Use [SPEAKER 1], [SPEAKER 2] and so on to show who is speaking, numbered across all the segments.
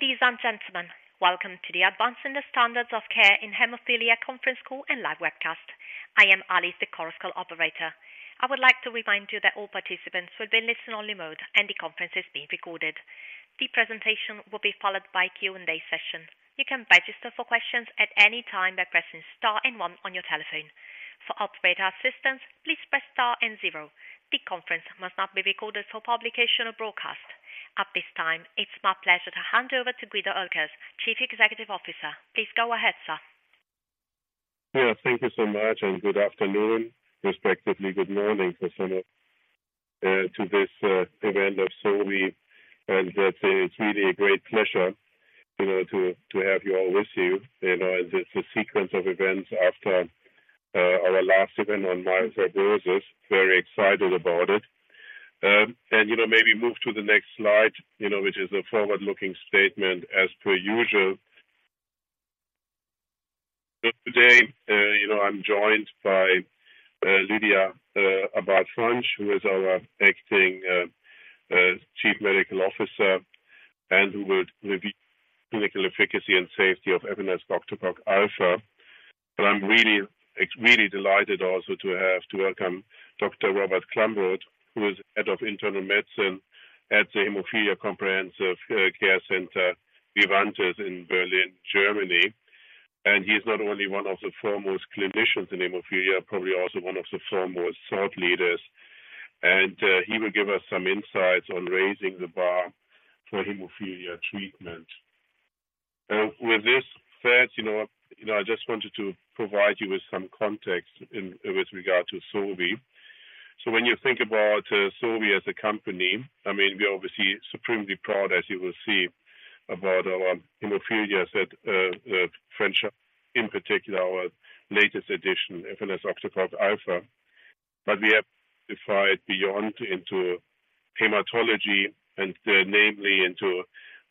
[SPEAKER 1] Ladies and gentlemen, welcome to the Advancing the Standards of Care in Hemophilia conference call and live webcast. I am Alice, the conference call operator. I would like to remind you that all participants will be in listen-only mode, and the conference is being recorded. The presentation will be followed by a Q&A session. You can register for questions at any time by pressing star and one on your telephone. For operator assistance, please press star and zero. The conference must not be recorded for publication or broadcast. At this time, it's my pleasure to hand over to Guido Oelkers, Chief Executive Officer. Please go ahead, sir.
[SPEAKER 2] Yeah, thank you so much, and good afternoon, respectively, good morning for some of to this event of Sobi. And that it's really a great pleasure, you know, to, to have you all with you. You know, and it's a sequence of events after our last event on myelofibrosis. Very excited about it. And, you know, maybe move to the next slide, you know, which is a forward-looking statement as per usual. So today, you know, I'm joined by Lydia Abad-Franch, who is our acting Chief Medical Officer, and who will review clinical efficacy and safety of efanesoctocog alfa. But I'm really, really delighted also to have to welcome Dr. Robert Klamroth, who is Head of Internal Medicine at the Hemophilia Comprehensive Care Center, Vivantes in Berlin, Germany. He's not only one of the foremost clinicians in hemophilia, probably also one of the foremost thought leaders. He will give us some insights on raising the bar for hemophilia treatment. With this said, you know, I just wanted to provide you with some context with regard to Sobi. So when you think about Sobi as a company, I mean, we are obviously supremely proud, as you will see, about our hemophilia franchise, in particular, our latest addition, ALTUVIIIO. But we have dived beyond into hematology and, namely into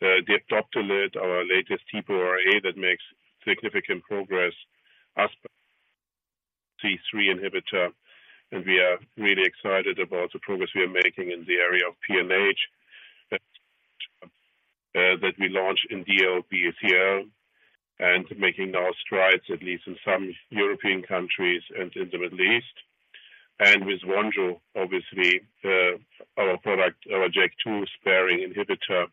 [SPEAKER 2] Doptelet, our latest TPO-RA, that makes significant progress as C3 inhibitor, and we are really excited about the progress we are making in the area of PNH. That we launched in DLBCL and making now strides, at least in some European countries and in the Middle East. And with Vonjo, obviously, our product, our JAK2 sparing inhibitor,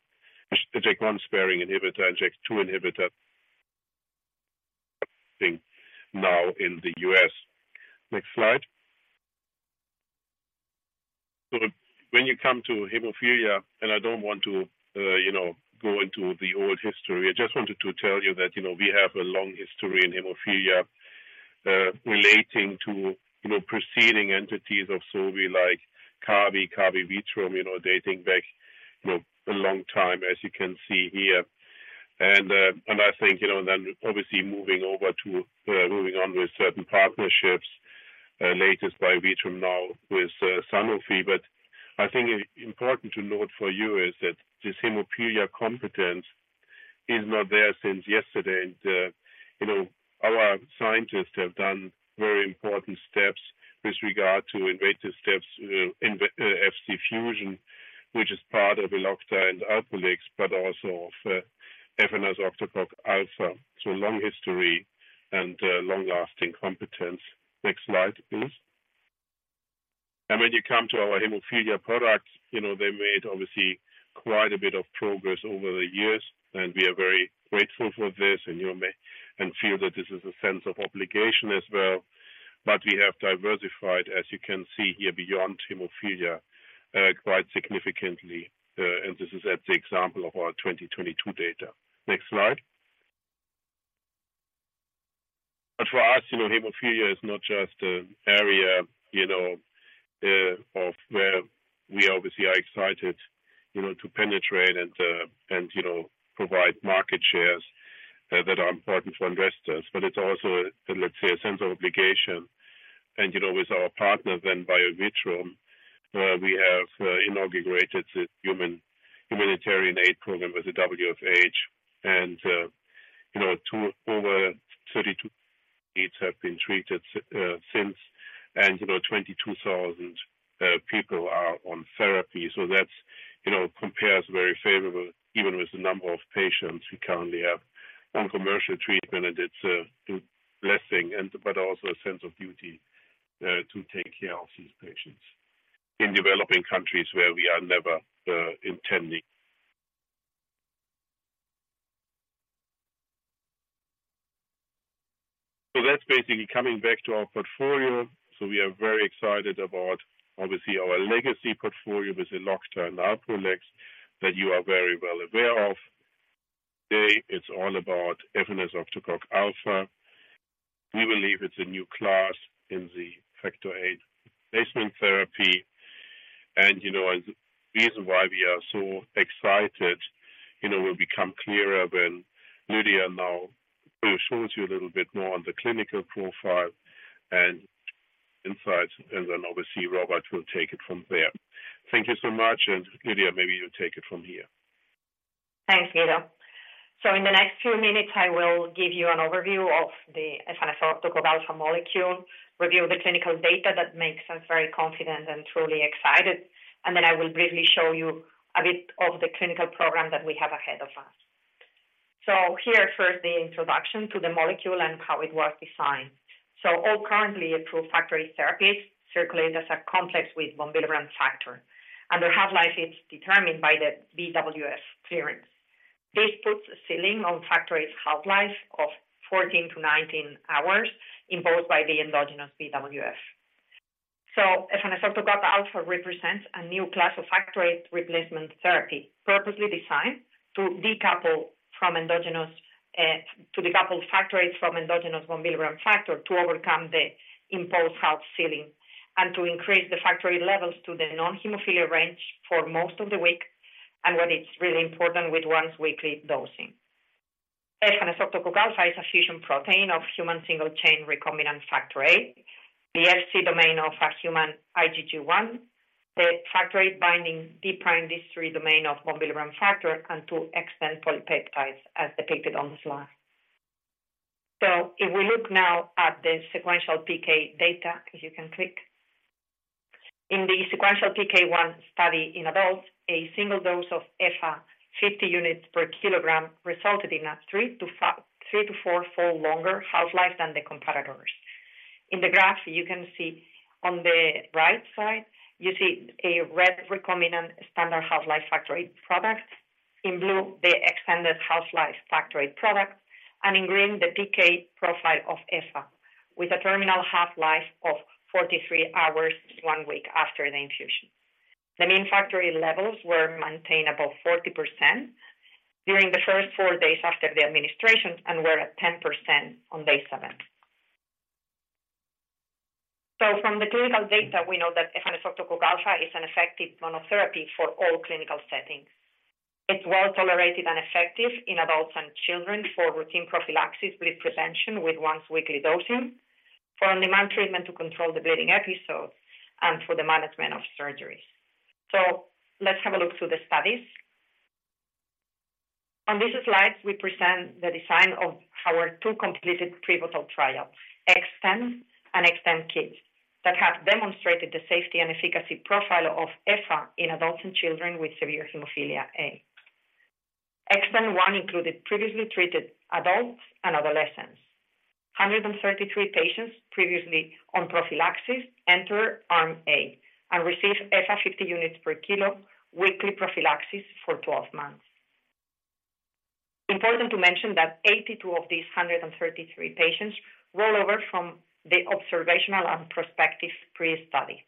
[SPEAKER 2] JAK1 sparing inhibitor, and JAK2 inhibitor now in the US. Next slide. So when you come to hemophilia, and I don't want to, you know, go into the old history, I just wanted to tell you that, you know, we have a long history in hemophilia, relating to, you know, preceding entities of Sobi like Kabi, KabiVitrum, you know, dating back, you know, a long time, as you can see here. And I think, you know, then obviously moving over to moving on with certain partnerships, latest by Vitrum now with Sanofi. But I think important to note for you is that this hemophilia competence is not there since yesterday. And, you know, our scientists have done very important steps with regard to inventive steps in Fc fusion, which is part of Elocta and Alprolix, but also of efanesoctocog alfa. So long history and long-lasting competence. Next slide, please. And when you come to our hemophilia products, you know, they made obviously quite a bit of progress over the years, and we are very grateful for this and you may feel that this is a sense of obligation as well. But we have diversified, as you can see here, beyond hemophilia quite significantly, and this is at the example of our 2022 data. Next slide. But for us, you know, hemophilia is not just an area, you know, of where we obviously are excited, you know, to penetrate and, and, you know, provide market shares, that are important for investors. But it's also, let's say, a sense of obligation. And, you know, with our partner then, Biovitrum, we have inaugurated the Humanitarian Aid program with the WFH. And, you know, over 32 kids have been treated since, and, you know, 22,000 people are on therapy. So that's, you know, compares very favorable, even with the number of patients we currently have on commercial treatment, and it's a blessing, and, but also a sense of duty, to take care of these patients in developing countries where we are never intending. So that's basically coming back to our portfolio. So we are very excited about, obviously, our legacy portfolio with Elocta and Alprolix, that you are very well aware of. Today, it's all about efanesoctocog alfa. We believe it's a new class in the factor VIII replacement therapy, and, you know, the reason why we are so excited, you know, will become clearer when Lydia now shows you a little bit more on the clinical profile and insights, and then obviously, Robert will take it from there. Thank you so much. And Lydia, maybe you take it from here.
[SPEAKER 3] Thanks, Guido... So in the next few minutes, I will give you an overview of the efanesoctocog alfa molecule, review the clinical data that makes us very confident and truly excited, and then I will briefly show you a bit of the clinical program that we have ahead of us. So here, first, the introduction to the molecule and how it was designed. So all currently approved factor VIII therapies circulate as a complex with von Willebrand factor, and the half-life is determined by the VWF clearance. This puts a ceiling on factor VIII's half-life of 14-19 hours, imposed by the endogenous VWF. So efanesoctocog alfa represents a new class of factor VIII replacement therapy, purposely designed to decouple from endogenous, to decouple factor VIII from endogenous von Willebrand factor to overcome the imposed half-life ceiling and to increase the factor VIII levels to the non-hemophilia range for most of the week, and what is really important, with once-weekly dosing. Efaneseoctocog alfa is a fusion protein of human single-chain recombinant factor VIII, the Fc domain of a human IgG1, the factor VIII binding D'D3 domain of von Willebrand factor, and two extended polypeptides, as depicted on the slide. So if we look now at the sequential PK data, if you can click. In the sequential PK1 study in adults, a single dose of EFA, 50 units per kilogram, resulted in a three- to fourfold longer half-life than the competitors. In the graph, you can see on the right side, you see a red recombinant standard half-life factor VIII product. In blue, the extended half-life factor VIII product, and in green, the PK profile of EFA, with a terminal half-life of 43 hours, one week after the infusion. The mean factor VIII levels were maintained above 40% during the first four days after the administration and were at 10% on day seven. So from the clinical data, we know that efanesoctocog alfa is an effective monotherapy for all clinical settings. It's well-tolerated and effective in adults and children for routine prophylaxis, bleed prevention with once-weekly dosing, for on-demand treatment to control the bleeding episode, and for the management of surgeries. So let's have a look through the studies. On these slides, we present the design of our two completed pivotal trials, XTEND and XTEND-Kids, that have demonstrated the safety and efficacy profile of EFA in adults and children with severe hemophilia A. XTEND-1 included previously treated adults and adolescents. 133 patients previously on prophylaxis enter arm A and receive EFA 50 units per kilo weekly prophylaxis for 12 months. Important to mention that 82 of these 133 patients roll over from the observational and prospective pre-study.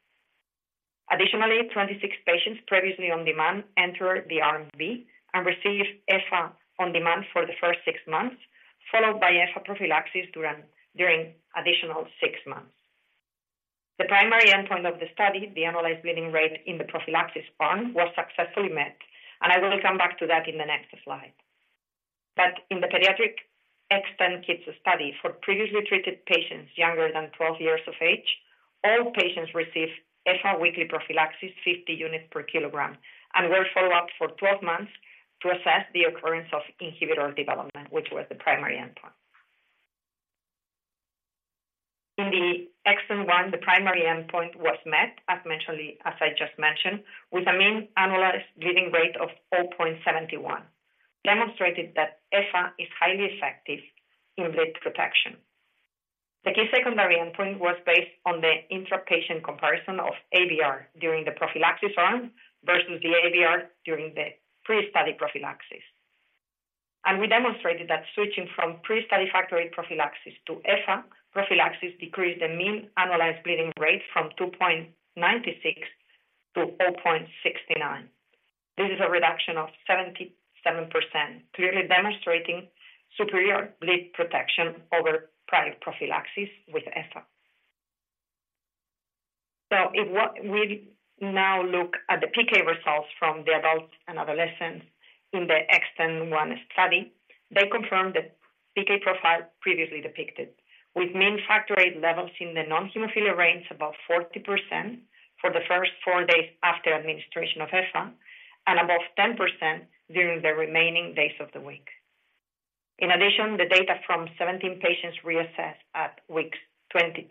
[SPEAKER 3] Additionally, 26 patients previously on-demand entered the arm B and received EFA on-demand for the first six months, followed by EFA prophylaxis during additional six months. The primary endpoint of the study, the annualized bleeding rate in the prophylaxis arm, was successfully met, and I will come back to that in the next slide. But in the pediatric XTEND-Kids study, for previously treated patients younger than 12 years of age, all patients received EFA weekly prophylaxis, 50 units per kilogram, and were followed up for 12 months to assess the occurrence of inhibitor development, which was the primary endpoint. In the XTEND-1, the primary endpoint was met, as mentioned, as I just mentioned, with a mean annualized bleeding rate of 4.71, demonstrated that EFA is highly effective in bleed protection. The key secondary endpoint was based on the intra-patient comparison of ABR during the prophylaxis arm versus the ABR during the pre-study prophylaxis. And we demonstrated that switching from pre-study factor VIII prophylaxis to EFA prophylaxis decreased the mean annualized bleeding rate from 2.96 to 4.69. This is a reduction of 77%, clearly demonstrating superior bleed protection over prior prophylaxis with EFA. So if what we now look at the PK results from the adults and adolescents in the XTEND-1 study, they confirmed the PK profile previously depicted, with mean factor VIII levels in the non-hemophilia range, above 40% for the first four days after administration of EFA, and above 10% during the remaining days of the week. In addition, the data from 17 patients reassessed at week 26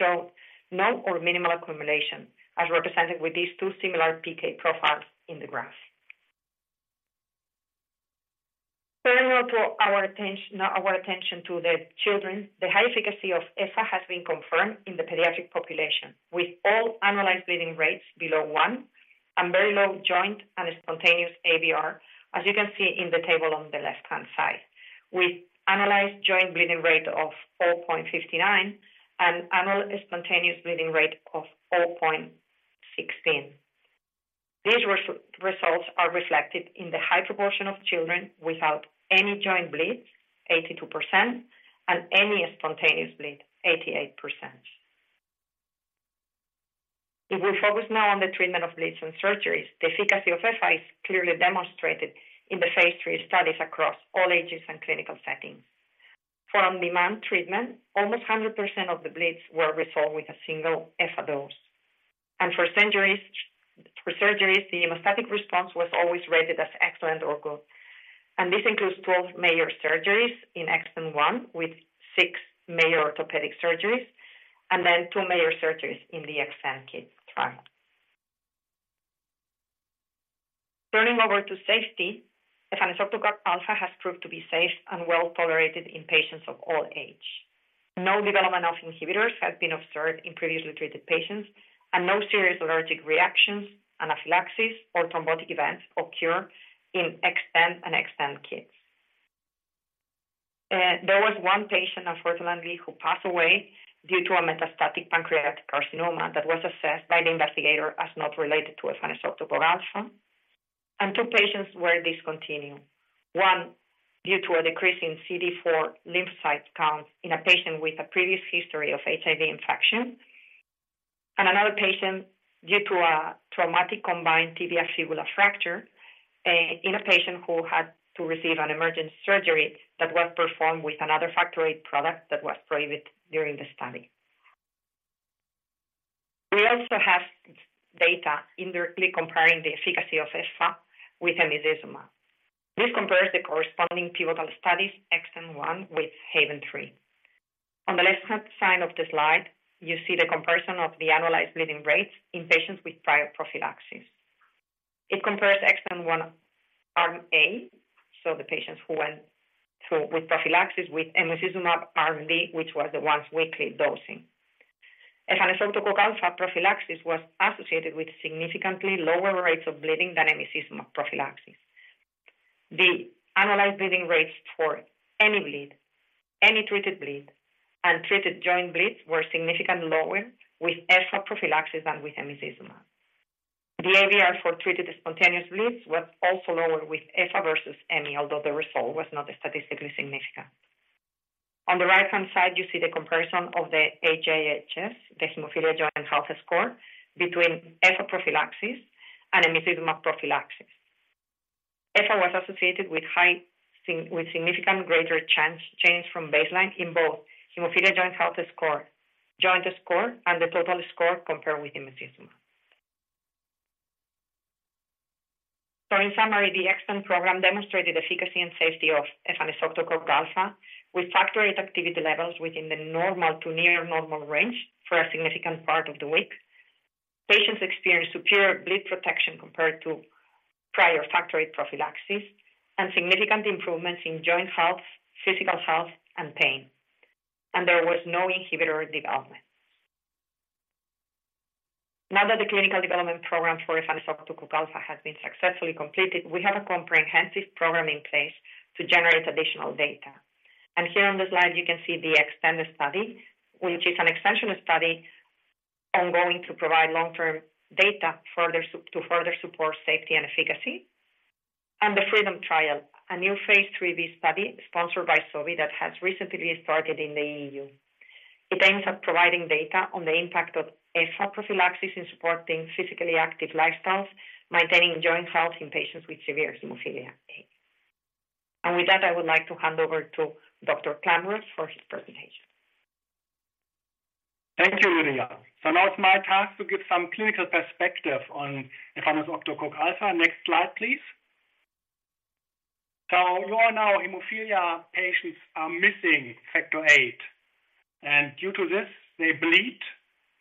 [SPEAKER 3] showed no or minimal accumulation, as represented with these two similar PK profiles in the graph. Turning over to our attention to the children, the high efficacy of EFA has been confirmed in the pediatric population, with all analyzed bleeding rates below 1 and very low joint and spontaneous ABR, as you can see in the table on the left-hand side. We analyzed joint bleeding rate of 4.59 and annual spontaneous bleeding rate of 4.16. These results are reflected in the high proportion of children without any joint bleeds, 82%, and any spontaneous bleed, 88%. If we focus now on the treatment of bleeds and surgeries, the efficacy of EFA is clearly demonstrated in the phase 3 studies across all ages and clinical settings. For on-demand treatment, almost 100% of the bleeds were resolved with a single EFA dose. And for surgeries, for surgeries, the hemostatic response was always rated as excellent or good. And this includes 12 major surgeries in XTEND-1, with six major orthopedic surgeries, and then two major surgeries in the XTEND-Kids trial. Turning over to safety, efanesoctocog alfa has proved to be safe and well-tolerated in patients of all age. No development of inhibitors has been observed in previously treated patients, and no serious allergic reactions, anaphylaxis, or thrombotic events occur in XTEND and XTEND-Kids. There was one patient, unfortunately, who passed away due to a metastatic pancreatic carcinoma that was assessed by the investigator as not related to efanesoctocog alfa, and two patients were discontinued. One, due to a decrease in CD4 lymphocyte count in a patient with a previous history of HIV infection, and another patient due to a traumatic combined tibia fibula fracture, in a patient who had to receive an emergency surgery that was performed with another factor product that was prohibited during the study. We also have data indirectly comparing the efficacy of EFA with emicizumab. This compares the corresponding pivotal studies, XTEND-1 with HAVEN3. On the left-hand side of the slide, you see the comparison of the annualized bleeding rates in patients with prior prophylaxis. It compares XTEND-1 arm A, so the patients who went through with prophylaxis, with emicizumab arm B, which was the once-weekly dosing. Efanesoctocog alfa prophylaxis was associated with significantly lower rates of bleeding than emicizumab prophylaxis. The annualized bleeding rates for any bleed, any treated bleed, and treated joint bleeds were significantly lower with EFA prophylaxis than with emicizumab. The ABR for treated spontaneous bleeds was also lower with EFA versus EMI, although the result was not statistically significant. On the right-hand side, you see the comparison of the HJHS, the Hemophilia Joint Health Score, between EFA prophylaxis and emicizumab prophylaxis. EFA was associated with significantly greater change from baseline in both Hemophilia Joint Health Score joint score and the total score compared with emicizumab. So in summary, the XTEND program demonstrated efficacy and safety of efanesoctocog alfa with factor VIII activity levels within the normal to near normal range for a significant part of the week. Patients experienced superior bleed protection compared to prior factor prophylaxis and significant improvements in joint health, physical health, and pain. There was no inhibitor development. Now that the clinical development program for efanesoctocog alfa has been successfully completed, we have a comprehensive program in place to generate additional data. Here on the slide, you can see the XTEND-ed study, which is an extension study ongoing to provide long-term data, to further support safety and efficacy. The FREEDOM trial, a new phase 3b study sponsored by Sobi that has recently started in the EU. It aims at providing data on the impact of EFA prophylaxis in supporting physically active lifestyles, maintaining joint health in patients with severe hemophilia A. With that, I would like to hand over to Dr. Klamroth for his presentation.
[SPEAKER 4] Thank you, Lydia. So now it's my task to give some clinical perspective on efanesoctocog alfa. Next slide, please. So you all know hemophilia patients are missing factor VIII, and due to this, they bleed.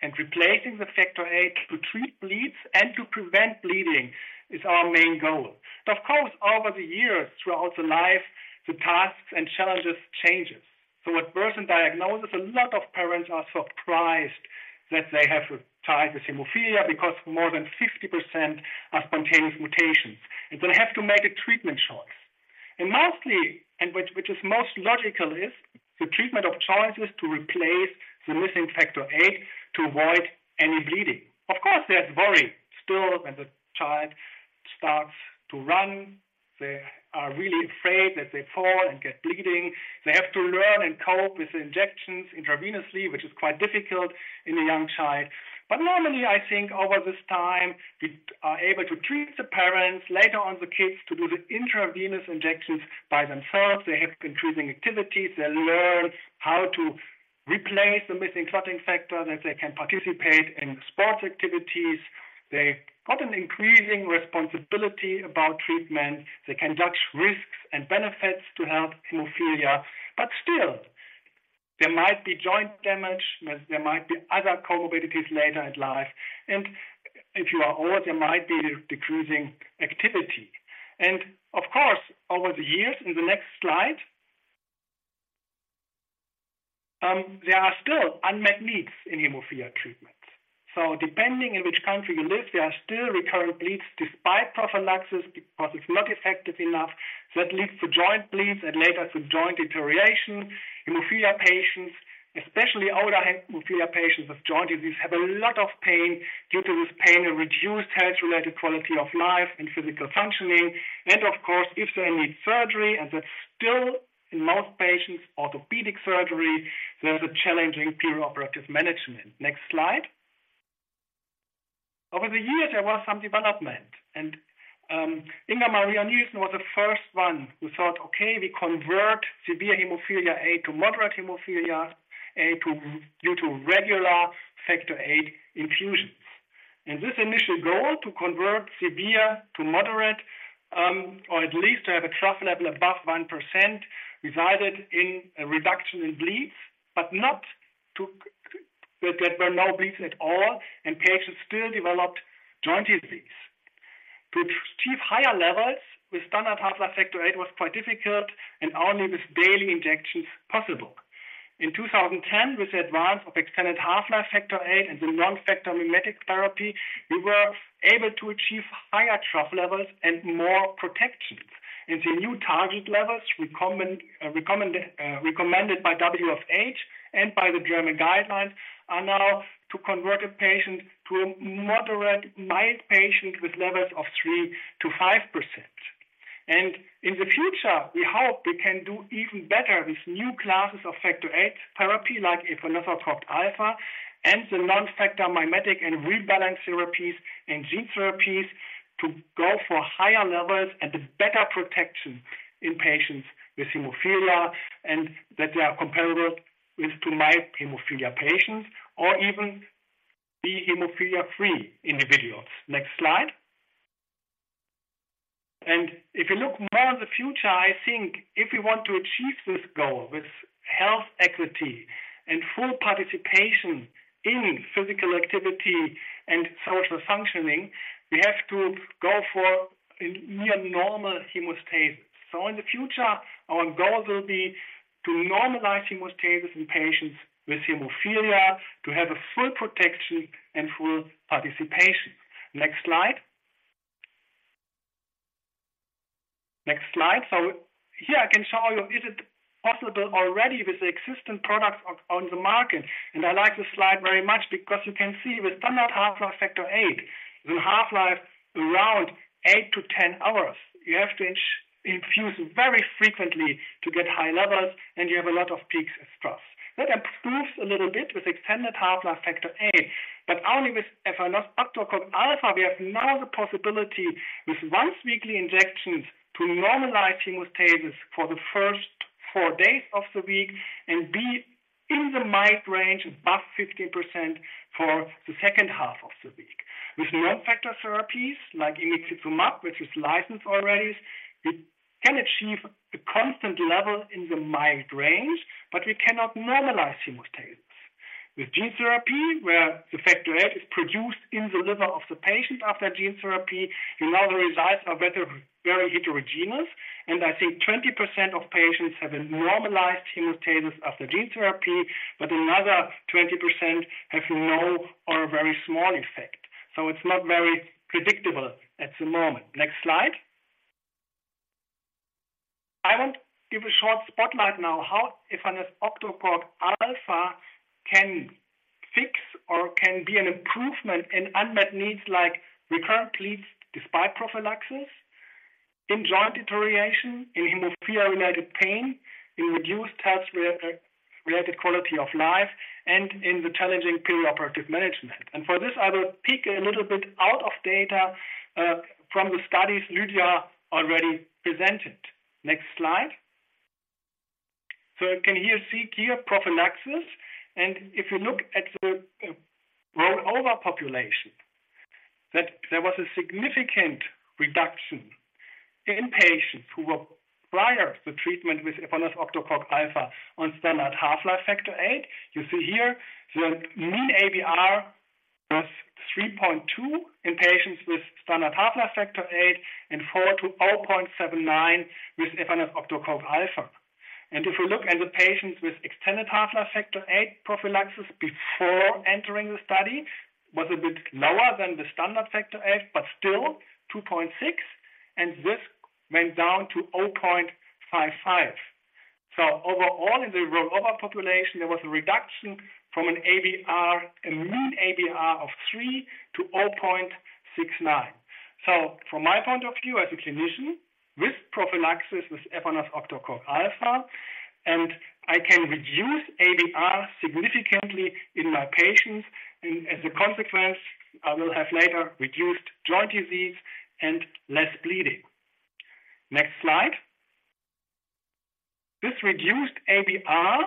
[SPEAKER 4] And replacing the factor VIII to treat bleeds and to prevent bleeding is our main goal. But of course, over the years, throughout the life, the tasks and challenges changes. So at birth and diagnosis, a lot of parents are surprised that they have a child with hemophilia because more than 50% are spontaneous mutations, and they have to make a treatment choice. And mostly, and which is most logical, is the treatment of choice is to replace the missing factor VIII to avoid any bleeding. Of course, there's worry still when the child starts to run. They are really afraid that they fall and get bleeding. They have to learn and cope with the injections intravenously, which is quite difficult in a young child. But normally, I think over this time, we are able to teach the parents, later on, the kids, to do the intravenous injections by themselves. They have increasing activities. They learn how to replace the missing clotting factor, that they can participate in sports activities. They got an increasing responsibility about treatment. They can judge risks and benefits to have hemophilia. But still, there might be joint damage. There might be other comorbidities later in life. And if you are old, there might be decreasing activity. And of course, over the years, in the next slide, there are still unmet needs in hemophilia treatment. So depending on which country you live, there are still recurrent bleeds despite prophylaxis, because it's not effective enough. That leads to joint bleeds and later to joint deterioration. Hemophilia patients, especially older hemophilia patients with joint disease, have a lot of pain. Due to this pain, a reduced health-related quality of life and physical functioning. And of course, if they need surgery, and that's still in most patients, orthopedic surgery, there's a challenging preoperative management. Next slide.... Over the years, there was some development, and, Inga Marie Nilsson was the first one who thought, "Okay, we convert severe hemophilia A to moderate hemophilia A to due to regular Factor VIII infusions." And this initial goal, to convert severe to moderate, or at least to have a trough level above 1%, resulted in a reduction in bleeds, but not that there were no bleeds at all, and patients still developed joint disease. To achieve higher levels with standard half-life factor VIII was quite difficult and only with daily injections possible. In 2010, with the advance of extended half-life factor VIII and the non-factor mimetic therapy, we were able to achieve higher trough levels and more protection. And the new target levels recommended by WFH and by the German guidelines, are now to convert a patient to a moderate, mild patient with levels of 3%-5%. And in the future, we hope we can do even better with new classes of factor VIII therapy, like efanesoctocog alfa, and the non-factor mimetic and rebalance therapies and gene therapies, to go for higher levels and a better protection in patients with hemophilia, and that they are comparable with to mild hemophilia patients or even be hemophilia-free individuals. Next slide. If you look more in the future, I think if we want to achieve this goal with health equity and full participation in physical activity and social functioning, we have to go for a near normal hemostasis. So in the future, our goal will be to normalize hemostasis in patients with hemophilia, to have a full protection and full participation. Next slide. Next slide. So here I can show you, is it possible already with the existing products on, on the market? And I like this slide very much because you can see with standard half-life factor VIII, the half-life around 8-10 hours. You have to infuse very frequently to get high levels, and you have a lot of peaks and troughs. That improves a little bit with extended half-life factor VIII, but only with efanesoctocog alfa, we have now the possibility, with once-weekly injections, to normalize hemostasis for the first four days of the week and be in the mild range, above 50%, for the second half of the week. With non-factor therapies, like emicizumab, which is licensed already, we can achieve a constant level in the mild range, but we cannot normalize hemostasis. With gene therapy, where the factor VIII is produced in the liver of the patient after gene therapy, you know, the results are very, very heterogeneous, and I think 20% of patients have a normalized hemostasis after gene therapy, but another 20% have no or a very small effect. So it's not very predictable at the moment. Next slide. I want to give a short spotlight now, how efanesoctocog alfa can fix or can be an improvement in unmet needs like recurrent bleeds despite prophylaxis, in joint deterioration, in hemophilia-related pain, in reduced health-related quality of life, and in the challenging perioperative management. For this, I will pick a little bit out of data from the studies Lydia already presented. Next slide. So you can see here, prophylaxis, and if you look at the rollover population, that there was a significant reduction in patients who were prior to treatment with efanesoctocog alfa on standard half-life factor VIII. You see here, the mean ABR was 3.2 in patients with standard half-life factor VIII and 0.4 to 0.79 with efanesoctocog alfa. And if you look at the patients with extended half-life factor VIII prophylaxis before entering the study, was a bit lower than the standard factor VIII, but still 2.6, and this went down to 0.55. So overall, in the rollover population, there was a reduction from an ABR, a mean ABR of 3 to 0.69. So from my point of view as a clinician, with prophylaxis, with efanesoctocog alfa, and I can reduce ABR significantly in my patients, and as a consequence, I will have later reduced joint disease and less bleeding. Next slide. This reduced ABR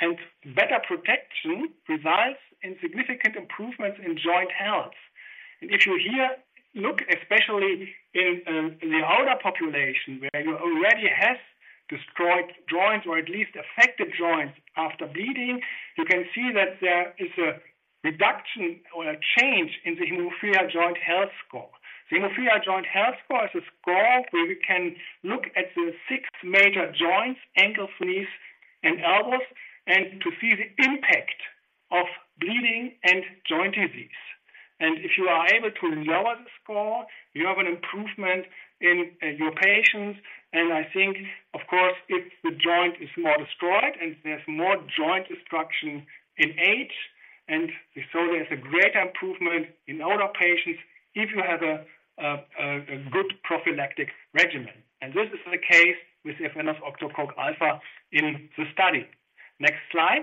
[SPEAKER 4] and better protection results in significant improvements in joint health. If you here look, especially in the older population, where you already have destroyed joints or at least affected joints after bleeding, you can see that there is a reduction or a change in the Hemophilia Joint Health Score. The Hemophilia Joint Health Score is a score where we can look at the six major joints, ankles, knees, and elbows, and to see the impact of bleeding and joint disease. If you are able to lower the score, you have an improvement in your patients. I think, of course, if the joint is more destroyed and there's more joint destruction in HA, and we saw there is a greater improvement in older patients, if you have a good prophylactic regimen. This is the case with efanesoctocog alfa in the study. Next slide.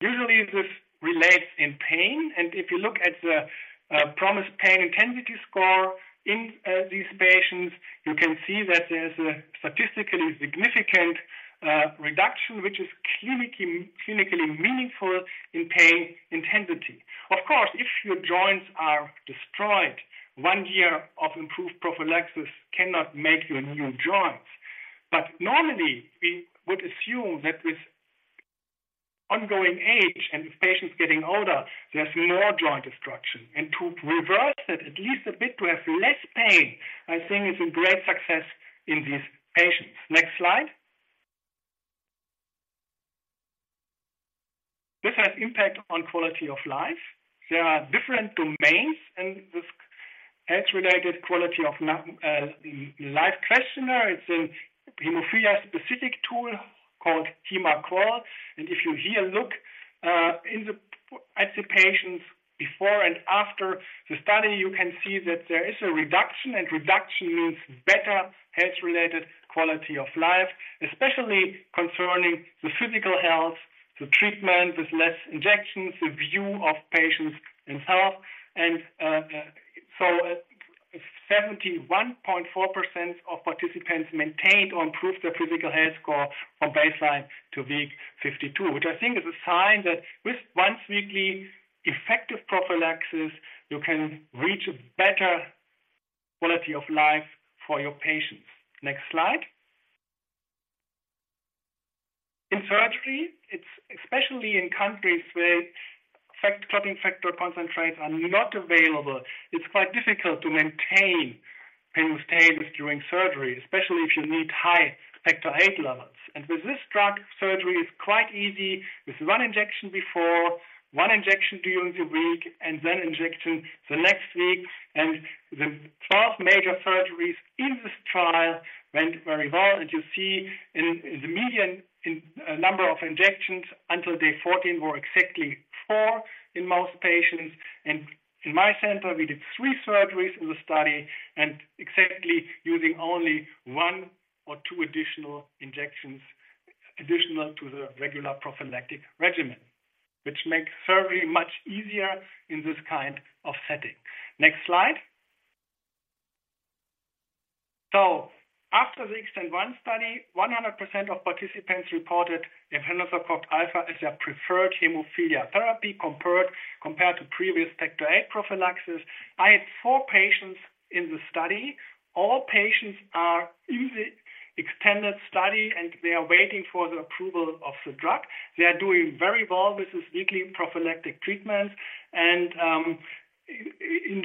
[SPEAKER 4] Usually, this relates in pain, and if you look at the PROMIS pain intensity score in these patients, you can see that there's a statistically significant reduction, which is clinically meaningful in pain intensity. Of course, if your joints are destroyed, one year of improved prophylaxis cannot make you a new joint. But normally, we would assume that with ongoing age and with patients getting older, there's more joint destruction. To reverse that, at least a bit, to have less pain, I think is a great success in these patients. Next slide. This has impact on quality of life. There are different domains, and this health-related quality of life questionnaire, it's a hemophilia-specific tool called Haem-A-QoL. And if you here look in at the patients before and after the study, you can see that there is a reduction, and reduction means better health-related quality of life, especially concerning the physical health, the treatment with less injections, the view of patients themselves. So 71.4% of participants maintained or improved their physical health score from baseline to week 52, which I think is a sign that with once-weekly effective prophylaxis, you can reach a better quality of life for your patients. Next slide. In surgery, it's especially in countries where clotting factor concentrates are not available, it's quite difficult to maintain painlessness during surgery, especially if you need high factor VIII levels. And with this drug, surgery is quite easy, with one injection before, one injection during the week, and then injection the next week. The 12 major surgeries in this trial went very well, and you see in the median number of injections until day 14 were exactly 4 in most patients. In my center, we did three surgeries in the study and exactly using only 1 or 2 additional injections additional to the regular prophylactic regimen, which makes surgery much easier in this kind of setting. Next slide. So after the XTEND-1 study, 100% of participants reported efanesoctocog alfa as their preferred hemophilia therapy, compared to previous factor VIII prophylaxis. I had 4 patients in the study. All patients are in the extended study, and they are waiting for the approval of the drug. They are doing very well with this weekly prophylactic treatment. In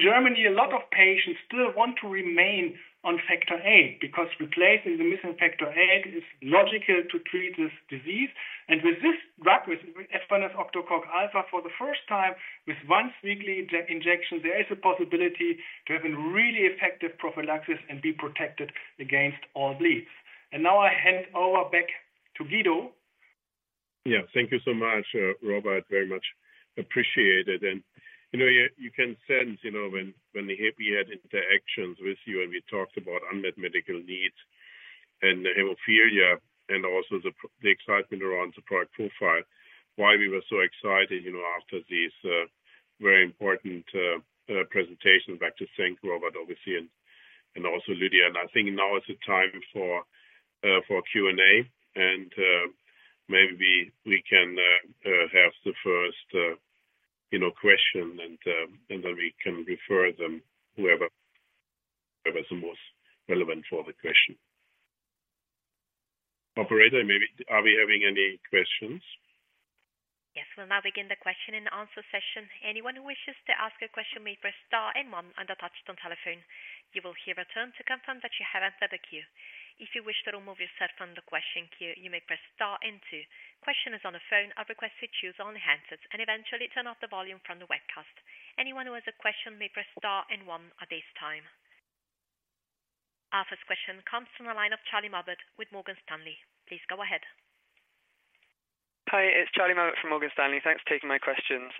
[SPEAKER 4] Germany, a lot of patients still want to remain on Factor VIII because replacing the missing Factor VIII is logical to treat this disease. With this drug, with efanesoctocog alfa, for the first time, with once-weekly injection, there is a possibility to have a really effective prophylaxis and be protected against all bleeds. Now I hand over back to Guido.
[SPEAKER 2] Yeah, thank you so much, Robert, very much appreciated. And, you know, you, you can sense, you know, when, when we had interactions with you, and we talked about unmet medical needs and hemophilia and also the excitement around the product profile, why we were so excited, you know, after these, very important, presentation. Back to thank Robert, obviously, and, and also Lydia. And I think now is the time for, for Q&A, and, maybe we can, have the first, you know, question, and, and then we can refer them whoever, whoever is the most relevant for the question. Operator, maybe, are we having any questions?
[SPEAKER 1] Yes, we'll now begin the question and answer session. Anyone who wishes to ask a question may press star and one on their touch-tone telephone. You will hear a tone to confirm that you have entered the queue. If you wish to remove yourself from the question queue, you may press star and two. Questioners on the phone are requested to choose only answers and eventually turn off the volume from the webcast. Anyone who has a question may press star and one at this time. Our first question comes from the line of Charlie Mabbutt with Morgan Stanley. Please go ahead.
[SPEAKER 5] Hi, it's Charlie Mabbutt from Morgan Stanley. Thanks for taking my questions.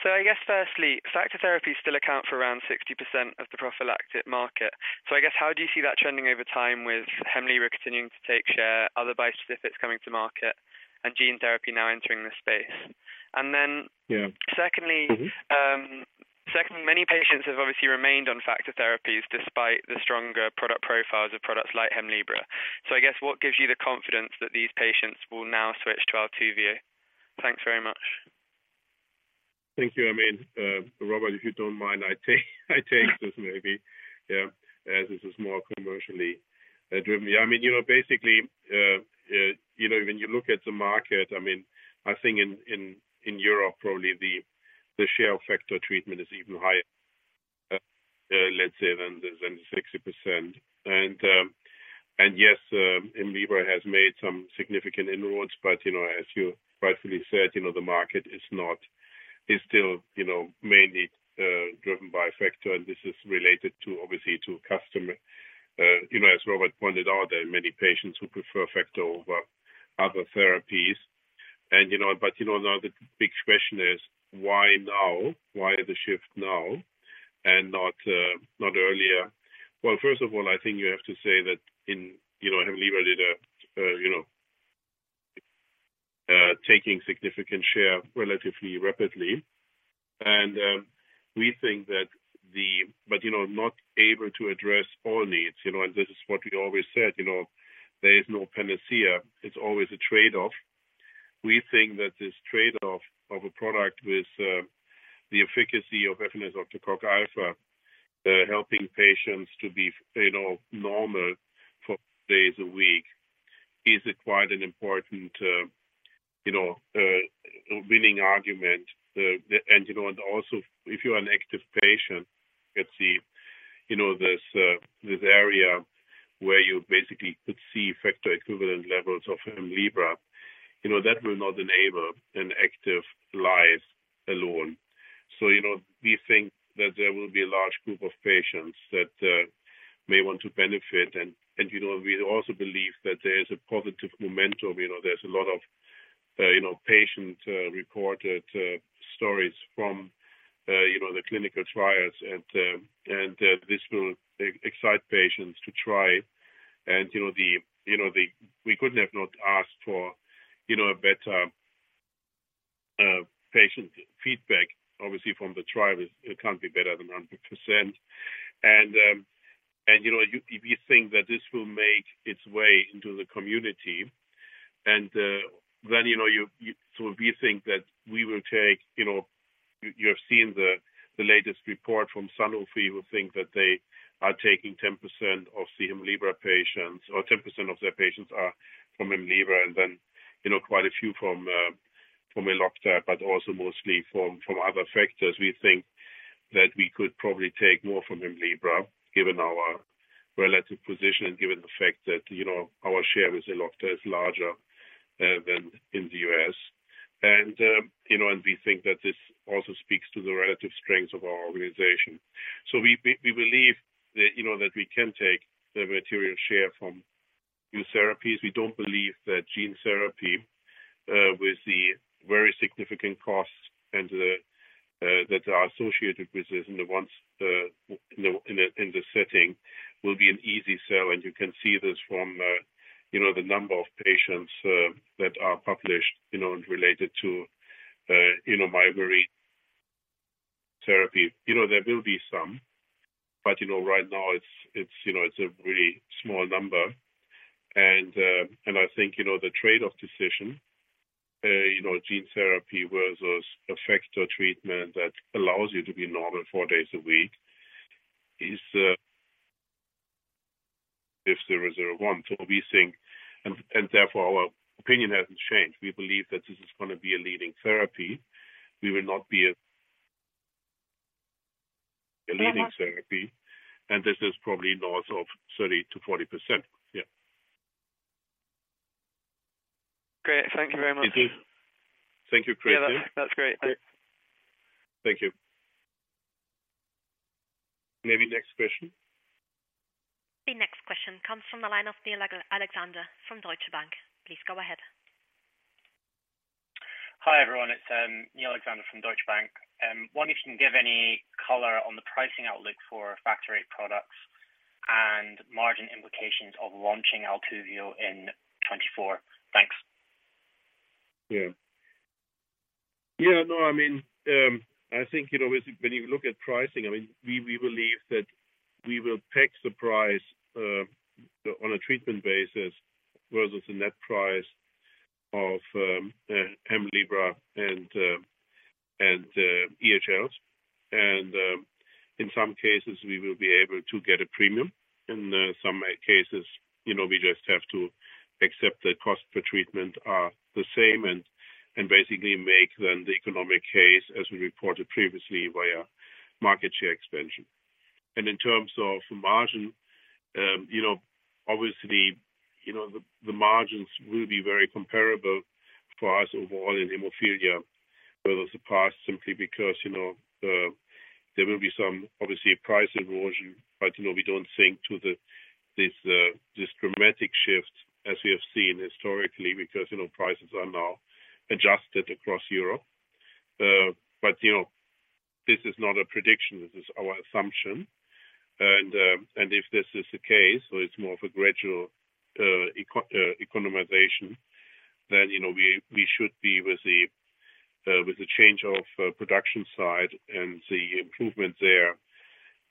[SPEAKER 5] So I guess firstly, factor therapies still account for around 60% of the prophylactic market. So I guess how do you see that trending over time with Hemlibra continuing to take share, other bispecifics coming to market, and gene therapy now entering the space? And then-
[SPEAKER 2] Yeah.
[SPEAKER 5] - secondly-
[SPEAKER 2] Mm-hmm.
[SPEAKER 5] Secondly, many patients have obviously remained on factor therapies despite the stronger product profiles of products like Hemlibra. So I guess what gives you the confidence that these patients will now switch to ALTUVIIIO? Thanks very much.
[SPEAKER 2] Thank you. I mean, Robert, if you don't mind, I take this maybe. Yeah, as this is more commercially driven. I mean, you know, basically, you know, when you look at the market, I mean, I think in Europe, probably the share of factor treatment is even higher, let's say, than the 60%. And yes, Hemlibra has made some significant inroads, but, you know, as you rightfully said, you know, the market is not, is still, you know, mainly driven by factor, and this is related to, obviously, to customer. You know, as Robert pointed out, there are many patients who prefer factor over other therapies. And, you know, but, you know, now the big question is why now? Why the shift now and not earlier? Well, first of all, I think you have to say that in, you know, Hemlibra did, you know, taking significant share relatively rapidly. And, we think that, but, you know, not able to address all needs, you know, and this is what we always said, you know, there is no panacea, it's always a trade-off. We think that this trade-off of a product with the efficacy of efanesoctocog alfa or efmoroctocog alfa, helping patients to be, you know, normal for days a week, is quite an important, you know, winning argument. And, you know, and also, if you're an active patient, let's see, you know, this area where you basically could see factor equivalent levels of Hemlibra, you know, that will not enable an active life alone. So, you know, we think that there will be a large group of patients that may want to benefit. And, you know, we also believe that there is a positive momentum. You know, there's a lot of, you know, patient reported stories from, you know, the clinical trials, and this will excite patients to try. And, you know, we couldn't have not asked for, you know, a better patient feedback, obviously, from the trial. It can't be better than 100%. And, you know, we think that this will make its way into the community, and then, you know, So we think that we will take, you know... You have seen the latest report from Sanofi, who think that they are taking 10% of the Hemlibra patients, or 10% of their patients are from Hemlibra, and then, you know, quite a few from Elocta, but also mostly from other factors. We think that we could probably take more from Hemlibra, given our relative position and given the fact that, you know, our share with Elocta is larger than in the US. And, you know, we think that this also speaks to the relative strengths of our organization. So we believe that, you know, we can take the material share from new therapies. We don't believe that gene therapy, with the very significant costs and the that are associated with this and the ones, in the setting, will be an easy sell. And you can see this from, you know, the number of patients that are published, you know, and related to, you know, gene therapy. You know, there will be some, but, you know, right now it's, you know, it's a really small number. And I think, you know, the trade-off decision, you know, gene therapy versus a factor treatment that allows you to be normal four days a week, is, if there is a one. So we think, and therefore, our opinion hasn't changed. We believe that this is gonna be a leading therapy. We will not be a leading therapy, and this is probably north of 30%-40%. Yeah.
[SPEAKER 5] Great. Thank you very much.
[SPEAKER 2] Thank you, Christian. Yeah, that's great. Thank you. Maybe next question.
[SPEAKER 1] The next question comes from the line of Neil Alexander from Deutsche Bank. Please go ahead.
[SPEAKER 6] Hi, everyone. It's Neil Alexander from Deutsche Bank. One, if you can give any color on the pricing outlook for factor products and margin implications of launching ALTUVIIIO in 2024. Thanks.
[SPEAKER 2] Yeah. Yeah, no, I mean, I think, you know, when, when you look at pricing, I mean, we, we believe that we will peg the price, on a treatment basis versus the net price of, Hemlibra and, and, EHLs. And, in some cases, we will be able to get a premium, and, some cases, you know, we just have to accept the cost per treatment are the same and, and basically make then the economic case, as we reported previously, via market share expansion. And in terms of margin, you know, obviously, you know, the, the margins will be very comparable for us overall in hemophilia versus the past, simply because, you know, there will be some, obviously, a price erosion. But, you know, we don't think to the, this, this dramatic shift as we have seen historically, because, you know, prices are now adjusted across Europe. But, you know, this is not a prediction, this is our assumption. And, and if this is the case, so it's more of a gradual, economization, then, you know, we, we should be with the, with the change of, production side and the improvement there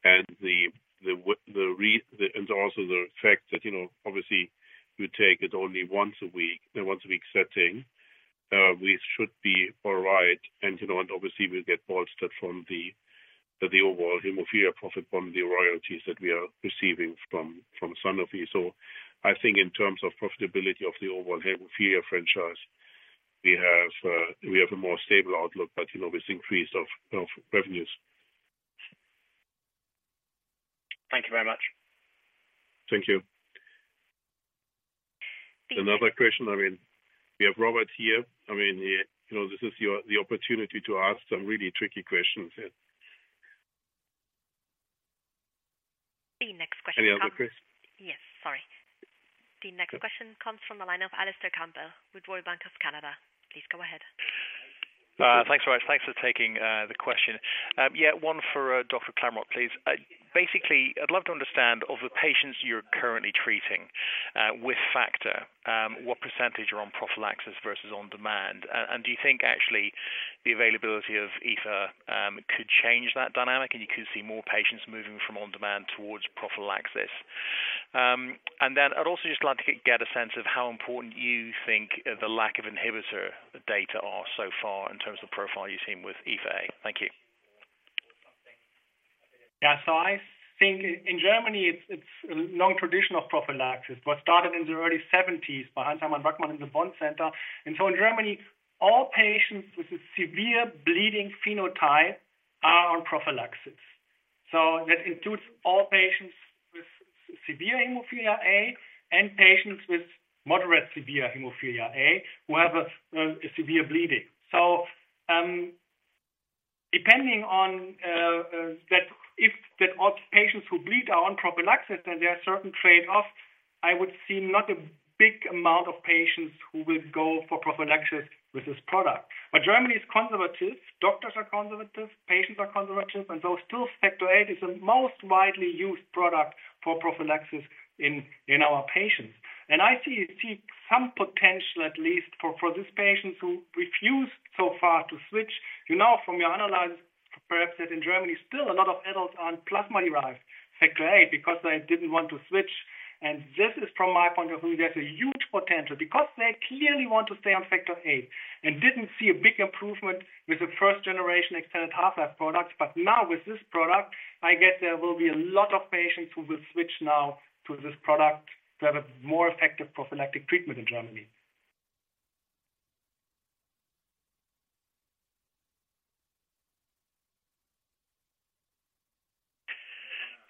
[SPEAKER 2] and the, and also the fact that, you know, obviously, you take it only once a week, the once a week setting, we should be all right. And, you know, and obviously, we'll get bolstered from the, the overall hemophilia profit from the royalties that we are receiving from, from Sanofi. I think in terms of profitability of the overall hemophilia franchise, we have a more stable outlook, but, you know, with increase of revenues.
[SPEAKER 6] Thank you very much.
[SPEAKER 2] Thank you.
[SPEAKER 1] Thank-
[SPEAKER 2] Another question. I mean, we have Robert here. I mean, he, you know, this is your, the opportunity to ask some really tricky questions, yeah.
[SPEAKER 1] ...The next question comes-
[SPEAKER 4] Any other Chris?
[SPEAKER 1] Yes, sorry. The next question comes from the line of Alistair Campbell with Royal Bank of Canada. Please go ahead.
[SPEAKER 7] Thanks very much. Thanks for taking the question. Yeah, one for Dr. Klamroth, please. Basically, I'd love to understand of the patients you're currently treating with factor what percentage are on prophylaxis versus on demand? And do you think actually the availability of EFA could change that dynamic, and you could see more patients moving from on-demand towards prophylaxis? And then I'd also just like to get a sense of how important you think the lack of inhibitor data are so far in terms of profile you've seen with EFA. Thank you.
[SPEAKER 4] Yeah. So I think in Germany, it's a long tradition of prophylaxis, but started in the early 1970s by Hans-Hermann Brackmann in the Bonn Center. And so in Germany, all patients with a severe bleeding phenotype are on prophylaxis. So that includes all patients with severe hemophilia A and patients with moderate severe hemophilia A, who have a severe bleeding. So, depending on that if that all patients who bleed are on prophylaxis, then there are certain trade-offs, I would see not a big amount of patients who will go for prophylaxis with this product. But Germany is conservative, doctors are conservative, patients are conservative, and so still Factor VIII is the most widely used product for prophylaxis in our patients. And I see some potential, at least for these patients who refuse so far to switch. You know, from your analysis, perhaps that in Germany, still a lot of adults are on plasma-derived Factor VIII because they didn't want to switch, and this is from my point of view, there's a huge potential because they clearly want to stay on Factor VIII and didn't see a big improvement with the first-generation extended half-life products. But now with this product, I guess there will be a lot of patients who will switch now to this product to have a more effective prophylactic treatment in Germany.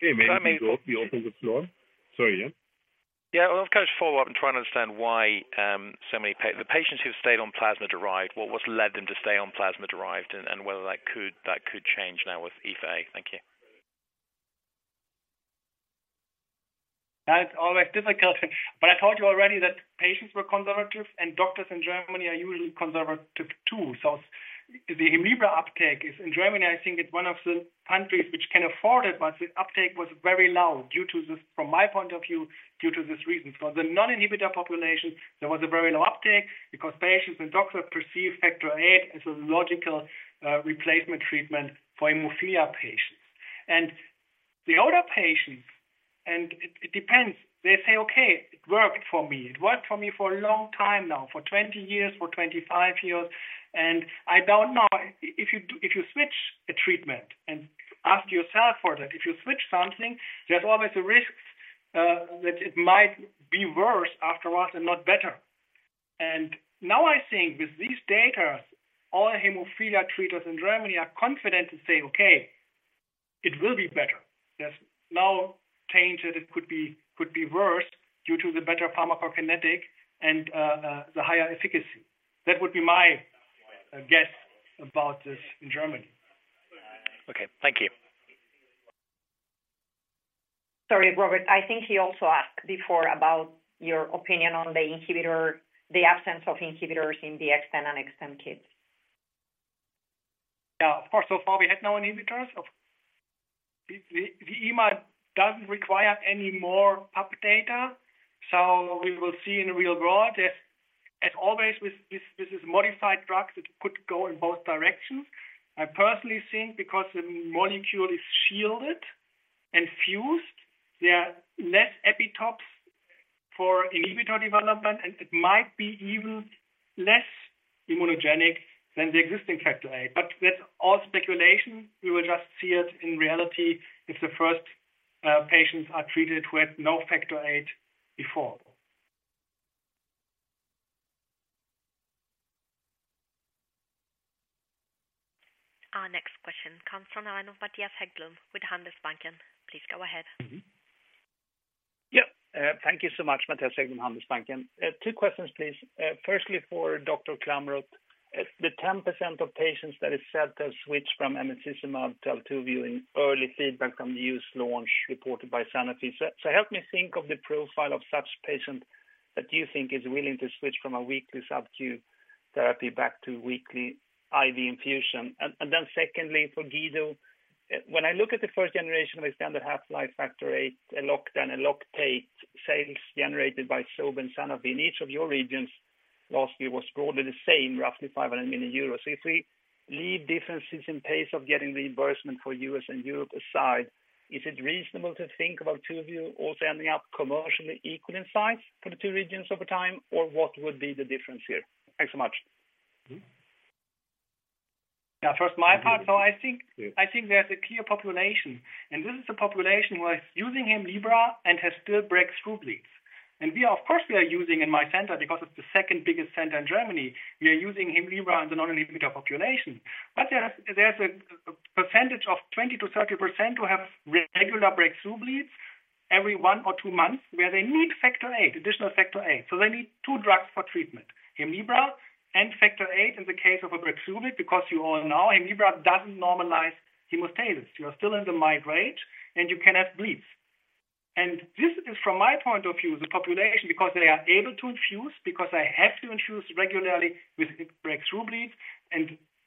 [SPEAKER 3] Okay, maybe you also would go on. Sorry, yeah.
[SPEAKER 7] Yeah, well, of course, follow up and try and understand why so many patients who've stayed on plasma-derived, what's led them to stay on plasma-derived and whether that could change now with EFA. Thank you.
[SPEAKER 4] That's always difficult, but I told you already that patients were conservative, and doctors in Germany are usually conservative, too. So the Hemlibra uptake is in Germany, I think it's one of the countries which can afford it, but the uptake was very low due to this, from my point of view, due to this reason. For the non-inhibitor population, there was a very low uptake because patients and doctors perceive Factor VIII as a logical, replacement treatment for hemophilia patients. And the older patients, and it depends, they say, "Okay, it worked for me. It worked for me for a long time now, for 20 years, for 25 years, and I don't know if you do if you switch a treatment" and ask yourself for that. If you switch something, there's always a risk, that it might be worse afterwards and not better. Now I think with these data, all hemophilia treaters in Germany are confident to say, "Okay, it will be better." There's no change that it could be, could be worse due to the better pharmacokinetic and the higher efficacy. That would be my guess about this in Germany.
[SPEAKER 7] Okay, thank you.
[SPEAKER 3] Sorry, Robert, I think he also asked before about your opinion on the inhibitor, the absence of inhibitors in the XTEND and XTEND-Kids.
[SPEAKER 4] Yeah, of course, so far, we have no inhibitors. Of the, the EMA doesn't require any more PUP data, so we will see in the real world. As always, with this, this is modified drugs, it could go in both directions. I personally think because the molecule is shielded and fused, there are less epitopes for inhibitor development, and it might be even less immunogenic than the existing Factor VIII. But that's all speculation. We will just see it in reality, if the first patients are treated with no Factor VIII before.
[SPEAKER 1] Our next question comes from the line of Mattias Häggblom with Handelsbanken. Please go ahead.
[SPEAKER 3] Mm-hmm.
[SPEAKER 8] Yeah, thank you so much, Mattias Häggblom, Handelsbanken. Two questions, please. Firstly, for Dr. Klamroth, the 10% of patients that is said to switch from emicizumab to Altuviiio in early feedback from the US launch reported by Sanofi. So, help me think of the profile of such patient that you think is willing to switch from a weekly subcutaneous therapy back to weekly IV infusion. And then secondly, for Guido, when I look at the first generation of extended half-life Factor VIII, ELOCTA and ELOCTATE, sales generated by Sobi and Sanofi in each of your regions last year was broadly the same, roughly 500 million euros. If we leave differences in pace of getting reimbursement for US and Europe aside, is it reasonable to think about two of you also ending up commercially equal in size for the two regions over time? Or what would be the difference here? Thanks so much.
[SPEAKER 4] Now, first, my part, so I think, I think there's a clear population, and this is a population who are using Hemlibra and has still breakthrough bleeds. And we are, of course, we are using in my center because it's the second biggest center in Germany, we are using Hemlibra in the non-inhibitor population. But there's a percentage of 20%-30% who have regular breakthrough bleeds every one or two months, where they need Factor VIII, additional Factor VIII. So they need two drugs for treatment, Hemlibra and Factor VIII in the case of a breakthrough bleed, because you all know Hemlibra doesn't normalize hemostasis. You are still in the mild range, and you can have bleeds. And this is from my point of view, the population, because they are able to infuse, because they have to infuse regularly with breakthrough bleeds.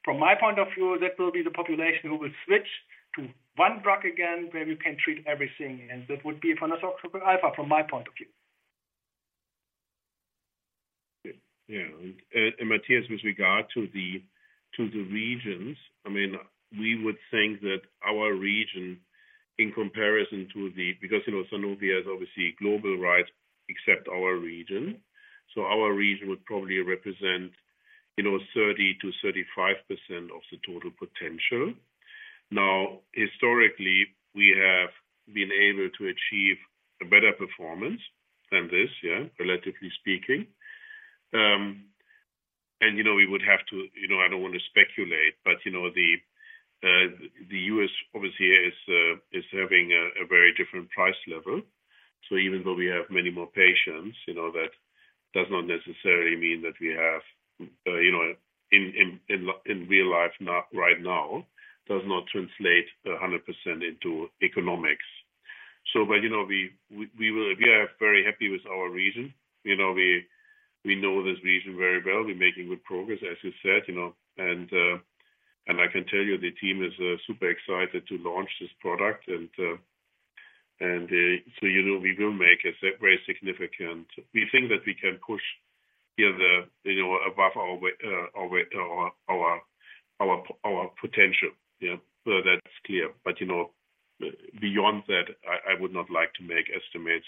[SPEAKER 4] From my point of view, that will be the population who will switch to one drug again, where we can treat everything, and that would be from efanesoctocog alfa, from my point of view.
[SPEAKER 2] Yeah, Matthias, with regard to the regions, I mean, we would think that our region, in comparison to the, because, you know, Sanofi has obviously global rights except our region. So our region would probably represent, you know, 30%-35% of the total potential. Now, historically, we have been able to achieve a better performance than this, yeah, relatively speaking. You know, we would have to, you know, I don't want to speculate, but, you know, the US obviously is having a very different price level. So even though we have many more patients, you know, that does not necessarily mean that we have, you know, in real life, not right now, does not translate 100% into economics. So but, you know, we will—we are very happy with our region. You know, we know this region very well. We're making good progress, as you said, you know, and, and I can tell you, the team is super excited to launch this product. And, and, so, you know, we will make a very significant... We think that we can push, you know, the, you know, above our, our, our, our, our potential. Yeah, so that's clear. But, you know, beyond that, I, I would not like to make estimates,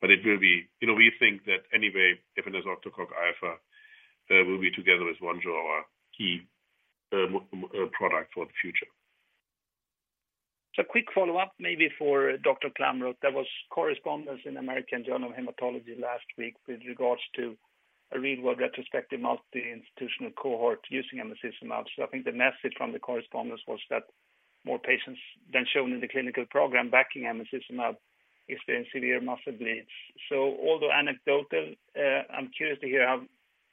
[SPEAKER 2] but it will be—You know, we think that anyway, efanesoctocog alfa will be together with Vonjo, our key product for the future.
[SPEAKER 8] So quick follow-up, maybe for Dr. Klamroth. There was correspondence in American Journal of Hematology last week with regards to a real-world retrospective multi-institutional cohort using emicizumab. So I think the message from the correspondence was that more patients than shown in the clinical program backing emicizumab is in severe muscle bleeds. So although anecdotal, I'm curious to hear how,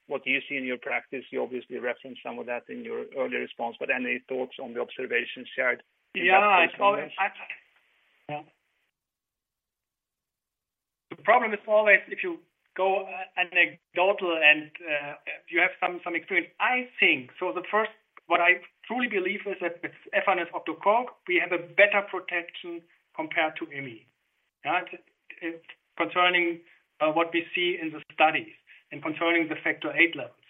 [SPEAKER 8] what you see in your practice. You obviously referenced some of that in your earlier response, but any thoughts on the observations shared?
[SPEAKER 4] Yeah, I thought-
[SPEAKER 8] Yeah.
[SPEAKER 4] The problem is always if you go anecdotal and you have some experience. I think, so the first, what I truly believe is that with efanesoctocog, we have a better protection compared to emicizumab. Right? Concerning what we see in the studies and concerning the factor VIII levels.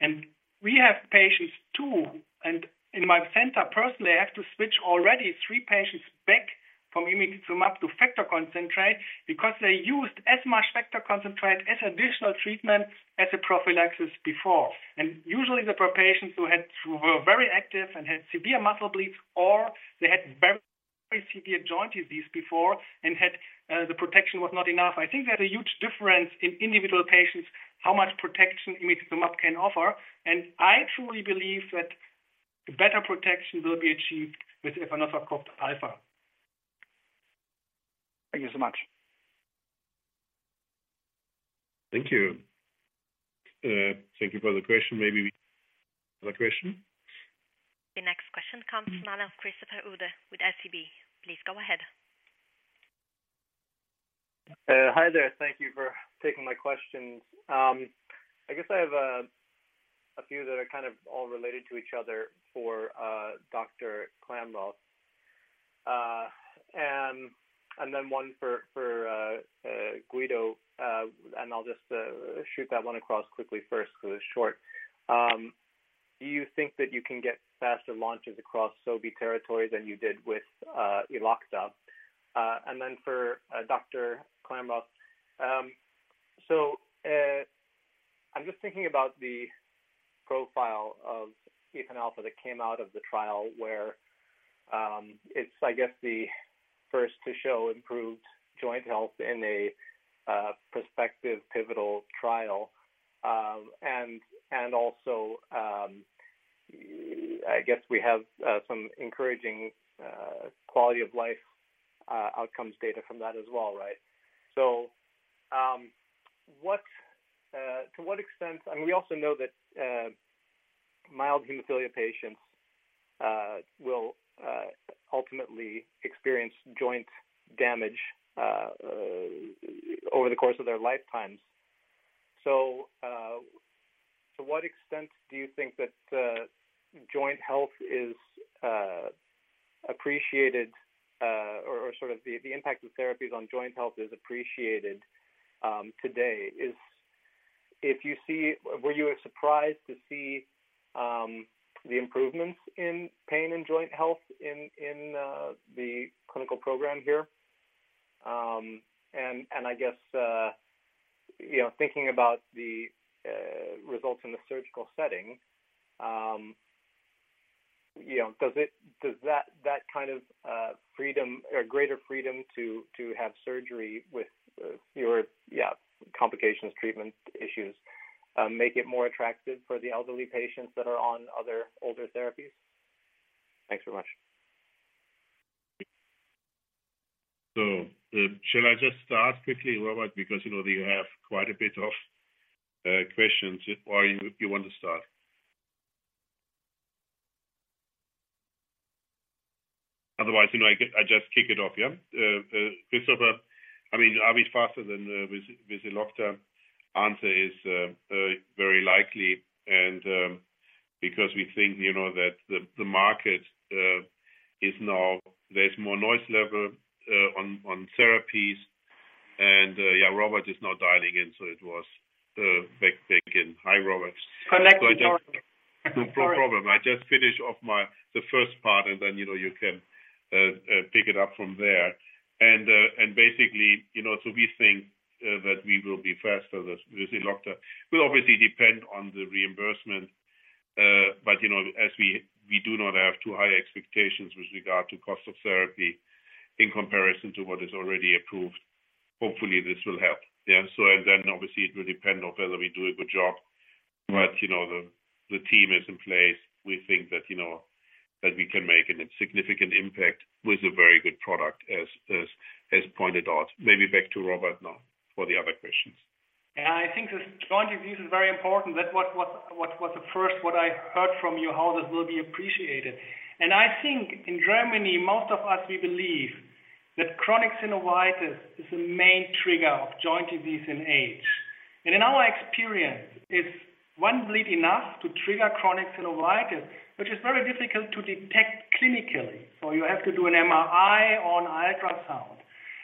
[SPEAKER 4] And we have patients, too, and in my center, personally, I have to switch already three patients back from emicizumab to factor concentrate because they used as much factor concentrate as additional treatment as a prophylaxis before. And usually, they were patients who were very active and had severe muscle bleeds, or they had very severe joint disease before and had the protection was not enough. I think there's a huge difference in individual patients, how much protection emicizumab can offer, and I truly believe that better protection will be achieved with efanesoctocog alfa.
[SPEAKER 8] Thank you so much.
[SPEAKER 2] Thank you. Thank you for the question. Maybe another question?
[SPEAKER 1] The next question comes from Christopher Uhde with SEB. Please go ahead.
[SPEAKER 9] Hi there. Thank you for taking my questions. I guess I have a few that are kind of all related to each other for Dr. Klamroth. And then one for Guido, and I'll just shoot that one across quickly first, because it's short. Do you think that you can get faster launches across Sobi territories than you did with Elocta? And then for Dr. Klamroth, I'm just thinking about the profile of efanesoctocog alfa that came out of the trial where it's the first to show improved joint health in a prospective pivotal trial. And also, I guess we have some encouraging quality of life outcomes data from that as well, right? So, what to what extent—And we also know that mild hemophilia patients will ultimately experience joint damage over the course of their lifetimes. So, to what extent do you think that joint health is appreciated, or sort of the impact of therapies on joint health is appreciated today? Were you surprised to see the improvements in pain and joint health in the clinical program here? And I guess, you know, thinking about the results in the surgical setting, you know, does that kind of freedom or greater freedom to have surgery with fewer complications, treatment issues make it more attractive for the elderly patients that are on other older therapies? Thanks very much.
[SPEAKER 2] So, shall I just start quickly, Robert, because, you know, we have quite a bit of questions, or you want to start? Otherwise, you know, I just kick it off, yeah? Christopher, I mean, are we faster than with the Elocta answer is very likely and because we think, you know, that the market is now there's more noise level on therapies and yeah, Robert is now dialing in, so it was back in. Hi, Robert.
[SPEAKER 4] Connecting more.
[SPEAKER 2] No problem. I just finished off my, the first part, and then, you know, you can pick it up from there. And, and basically, you know, so we think that we will be faster than with the Elocta. Will obviously depend on the reimbursement, but, you know, as we, we do not have too high expectations with regard to cost of therapy in comparison to what is already approved. Hopefully, this will help. Yeah, so and then obviously it will depend on whether we do a good job. But, you know, the, the team is in place. We think that, you know, that we can make a significant impact with a very good product, as, as, as pointed out. Maybe back to Robert now for the other questions.
[SPEAKER 4] Yeah, I think this point of view is very important, that what I heard from you, how this will be appreciated. And I think in Germany, most of us, we believe that chronic synovitis is the main trigger of joint disease in age. And in our experience, it's one bleed enough to trigger chronic synovitis, which is very difficult to detect clinically. So you have to do an MRI or an ultrasound.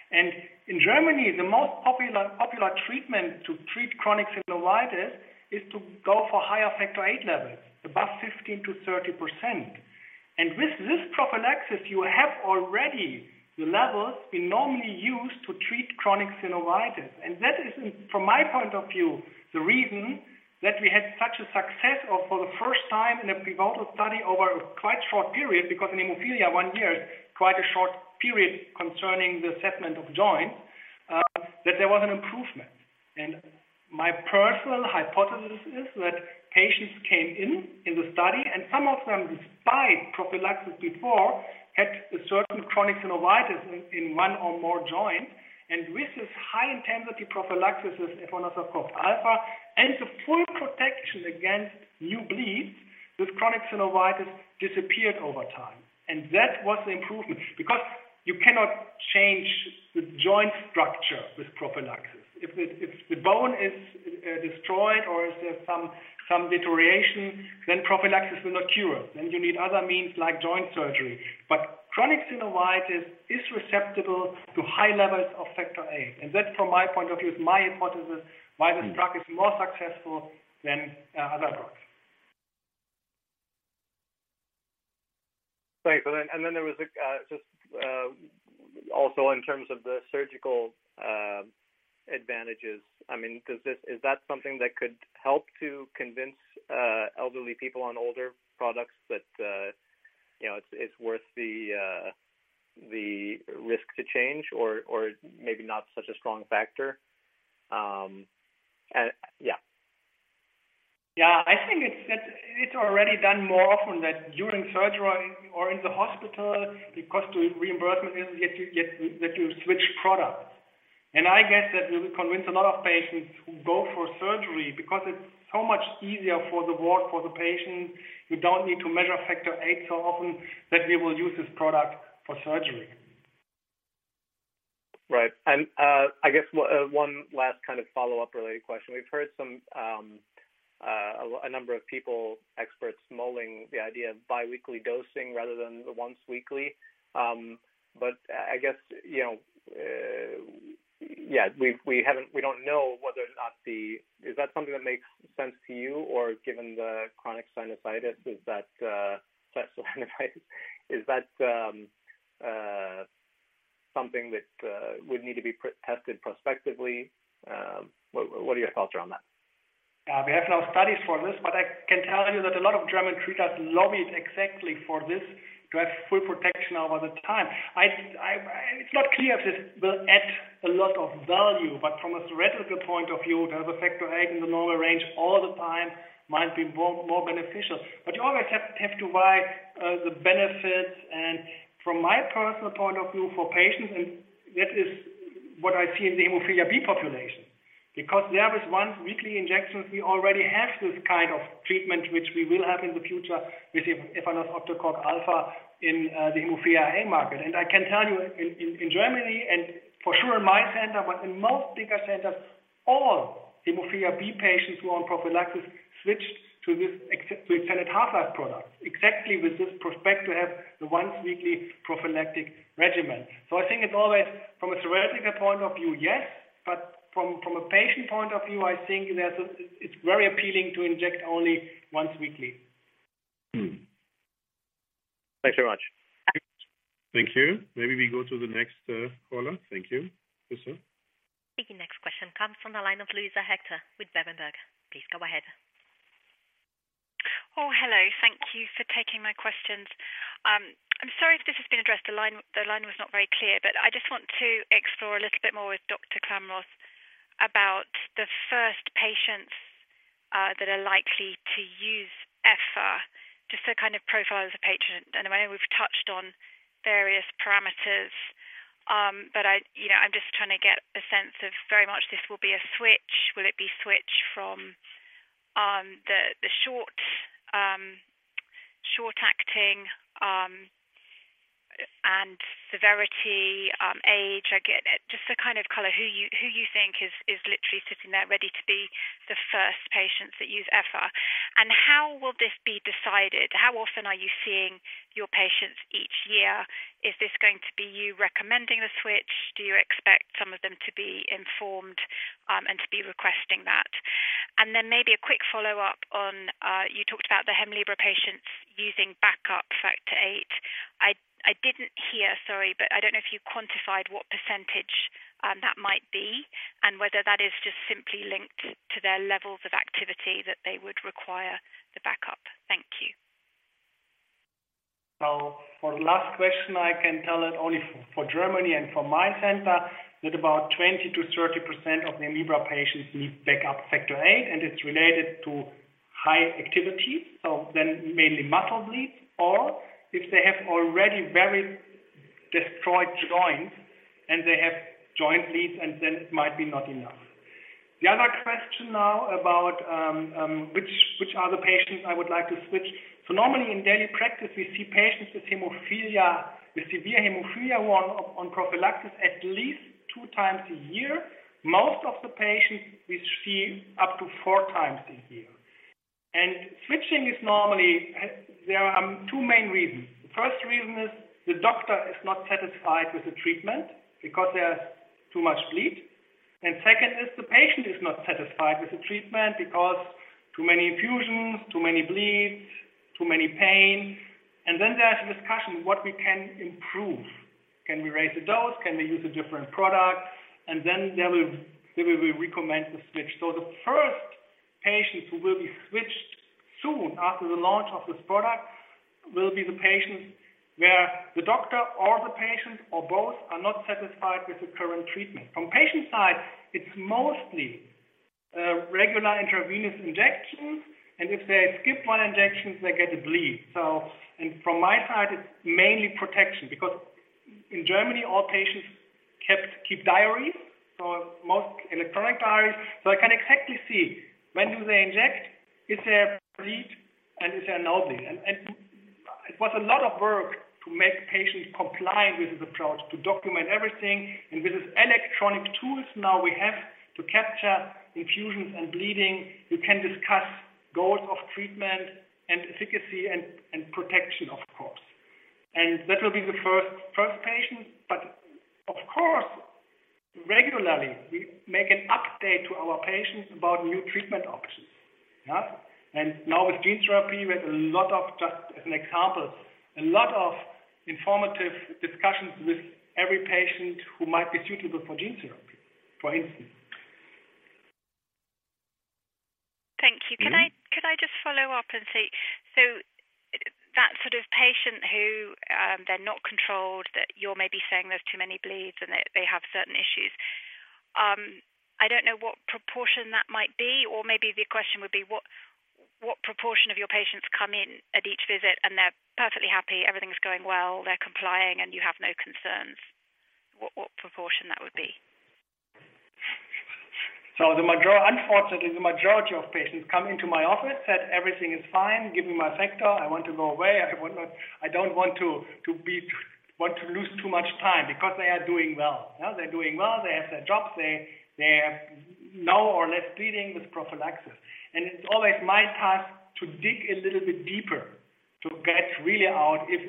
[SPEAKER 4] And in Germany, the most popular treatment to treat chronic synovitis is to go for higher factor VIII levels, above 15%-30%. And with this prophylaxis, you have already the levels we normally use to treat chronic synovitis. That is, from my point of view, the reason that we had such a success or for the first time in a pivotal study over a quite short period, because in hemophilia, one year is quite a short period concerning the assessment of joints, that there was an improvement. And my personal hypothesis is that patients came in the study, and some of them, despite prophylaxis before, had a certain chronic synovitis in one or more joints, and with this high-intensity prophylaxis, with efanesoctocog alfa and the full protection against new bleeds, this chronic synovitis disappeared over time. And that was the improvement, because you cannot change the joint structure with prophylaxis. If the bone is destroyed or if there's some deterioration, then prophylaxis will not cure it. Then you need other means, like joint surgery. Chronic synovitis is susceptible to high levels of factor VIII, and that, from my point of view, is my hypothesis, why this drug is more successful than other drugs.
[SPEAKER 9] Thanks. And then there was just also in terms of the surgical advantages. I mean, is that something that could help to convince elderly people on older products that, you know, it's worth the risk to change or maybe not such a strong factor? And yeah.
[SPEAKER 4] Yeah, I think it's already done more often that during surgery or in the hospital, the cost to reimbursement is yet to, yet that you switch products. And I guess that will convince a lot of patients who go for surgery, because it's so much easier for the work, for the patient. You don't need to measure Factor VIII so often that we will use this product for surgery.
[SPEAKER 9] Right. And, I guess one last kind of follow-up related question. We've heard some, a number of people, experts mulling the idea of biweekly dosing rather than the once weekly. But I guess, you know, yeah, we've, we haven't—we don't know whether or not the... Is that something that makes sense to you, or given the chronic synovitis, is that, synovitis, is that, something that would need to be pre-tested prospectively? What, what are your thoughts around that?
[SPEAKER 4] We have no studies for this, but I can tell you that a lot of German treaters lobbied exactly for this, to have full protection over the time. I, it's not clear if this will add a lot of value, but from a theoretical point of view, to have a factor VIII in the normal range all the time might be more beneficial. But you always have to weigh the benefits, and from my personal point of view, for patients, and that is what I see in the hemophilia B population. Because there is once weekly injections, we already have this kind of treatment, which we will have in the future with efanesoctocog alfa in the hemophilia A market. I can tell you, in Germany, and for sure in my center, but in most bigger centers, all hemophilia B patients who are on prophylaxis switched to this, to extended half-life products, exactly with this prospect to have the once weekly prophylactic regimen. So I think it's always from a theoretical point of view, yes, but from a patient point of view, I think that it's very appealing to inject only once weekly.
[SPEAKER 9] Thanks very much.
[SPEAKER 2] Thank you. Maybe we go to the next caller. Thank you. Yes, sir.
[SPEAKER 1] The next question comes from the line of Luisa Hector with Berenberg. Please go ahead.
[SPEAKER 10] Oh, hello, thank you for taking my questions. I'm sorry if this has been addressed, the line was not very clear, but I just want to explore a little bit more with Dr. Klamroth about the first patients that are likely to use Efa, just to kind of profile as a patient. I know we've touched on various parameters, but you know, I'm just trying to get a sense of very much this will be a switch. Will it be switch from the short acting, and severity, age, I get it. Just the kind of color, who you think is literally sitting there ready to be the first patients that use Efa? And how will this be decided? How often are you seeing your patients each year? Is this going to be you recommending the switch? Do you expect some of them to be informed, and to be requesting that? And then maybe a quick follow-up on, you talked about the Hemlibra patients using backup factor VIII. I didn't hear, sorry, but I don't know if you quantified what percentage that might be, and whether that is just simply linked to their levels of activity that they would require the backup. Thank you.
[SPEAKER 4] So for the last question, I can tell it only for Germany and for my center, that about 20%-30% of Hemlibra patients need backup Factor VIII, and it's related to high activity, so then mainly muscle bleeds, or if they have already very destroyed joints and they have joint bleeds, and then it might be not enough. The other question now about, which are the patients I would like to switch. So normally, in daily practice, we see patients with hemophilia, with severe hemophilia, on prophylaxis at least two times a year. Most of the patients we see up to four times a year. And switching is normally. There are two main reasons. The first reason is the doctor is not satisfied with the treatment because there's too much bleed, and second is the patient is not satisfied with the treatment because too many infusions, too many bleeds, too many pain. And then there's a discussion, what we can improve? Can we raise the dose? Can we use a different product? And then there will, then we will recommend the switch. So the first patients who will be switched soon after the launch of this product will be the patients where the doctor or the patient or both are not satisfied with the current treatment. From patient side, it's mostly regular intravenous injections, and if they skip one injections, they get a bleed. So and from my side, it's mainly protection, because in Germany, all patients keep diaries, so most electronic diaries. So I can exactly see when do they inject, is there a bleed, and is there nothing. And it was a lot of work to make patients comply with this approach, to document everything, and with this electronic tools now we have to capture infusions and bleeding, we can discuss goals of treatment and efficacy and protection, of course. And that will be the first, first patient, but of course, regularly, we make an update to our patients about new treatment options. Yeah. And now with gene therapy, we have a lot of, just as an example, a lot of informative discussions with every patient who might be suitable for gene therapy, for instance.
[SPEAKER 10] Thank you.
[SPEAKER 4] Mm-hmm.
[SPEAKER 10] Can I, could I just follow up and say, so that sort of patient who, they're not controlled, that you're maybe saying there's too many bleeds and they, they have certain issues. I don't know what proportion that might be, or maybe the question would be: what, what proportion of your patients come in at each visit and they're perfectly happy, everything's going well, they're complying, and you have no concerns? What, what proportion that would be?
[SPEAKER 4] So unfortunately, the majority of patients come into my office, said: "Everything is fine. Give me my factor. I want to go away. I don't want to lose too much time," because they are doing well. Now, they're doing well, they have their jobs, they have no or less bleeding with prophylaxis. And it's always my task to dig a little bit deeper, to get really out if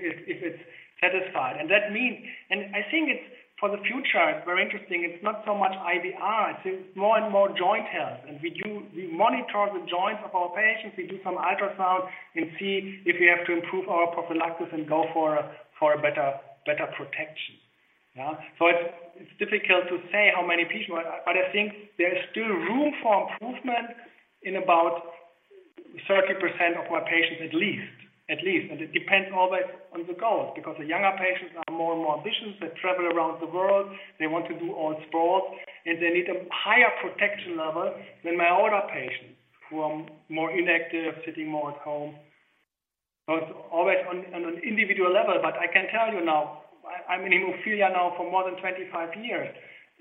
[SPEAKER 4] it's satisfied. I think it's, for the future, it's very interesting. It's not so much ABR, it's more and more joint health. And we do, we monitor the joints of our patients, we do some ultrasound and see if we have to improve our prophylaxis and go for a better protection. Yeah. So it's, it's difficult to say how many people, but I think there is still room for improvement in about 30% of my patients, at least. At least. And it depends always on the goals, because the younger patients are more and more ambitious. They travel around the world, they want to do all sports, and they need a higher protection level than my older patients, who are more inactive, sitting more at home. But always on an, on an individual level. But I can tell you now, I'm in hemophilia now for more than 25 years,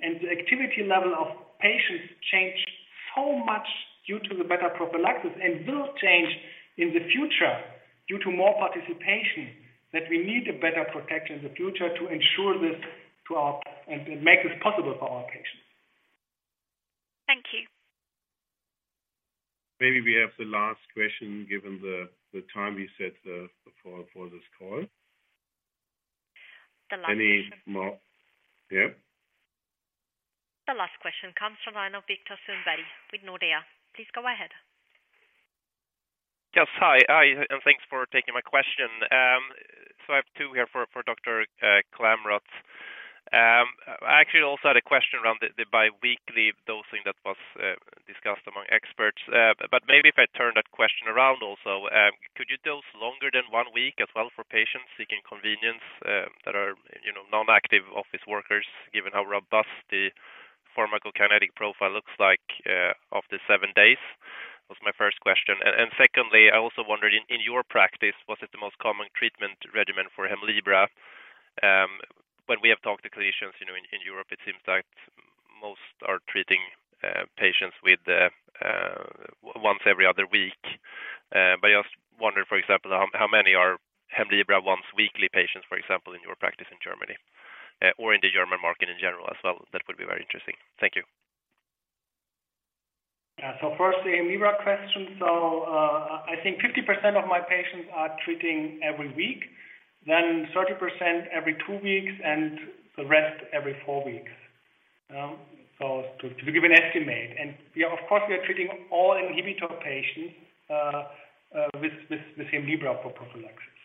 [SPEAKER 4] and the activity level of patients changed so much due to the better prophylaxis and will change in the future due to more participation, that we need a better protection in the future to ensure this to our- and, and make this possible for our patients.
[SPEAKER 10] Thank you.
[SPEAKER 2] Maybe we have the last question, given the time we set for this call.
[SPEAKER 1] The last question.
[SPEAKER 2] Any more... Yeah.
[SPEAKER 1] The last question comes from Line of Viktor Sundberg with Nordea. Please go ahead.
[SPEAKER 11] Yes, hi. Hi, and thanks for taking my question. So I have two here for, for Dr. Klamroth. I actually also had a question around the, the biweekly dosing that was, discussed among experts. But maybe if I turn that question around also, could you dose longer than one week as well for patients seeking convenience, that are, you know, non-active office workers, given how robust the pharmacokinetic profile looks like, after seven days? Was my first question. And, secondly, I also wondered, in, in your practice, what is the most common treatment regimen for Hemlibra? When we have talked to clinicians, you know, in, in Europe, it seems like most are treating, patients with the, once every other week. I just wonder, for example, how many are Hemlibra once weekly patients, for example, in your practice in Germany, or in the German market in general as well? That would be very interesting. Thank you.
[SPEAKER 4] Yeah. So first, the Hemlibra question. So, I think 50% of my patients are treating every week, then 30% every two weeks, and the rest every four weeks. So to give an estimate, and we are of course treating all inhibitor patients with the Hemlibra for prophylaxis.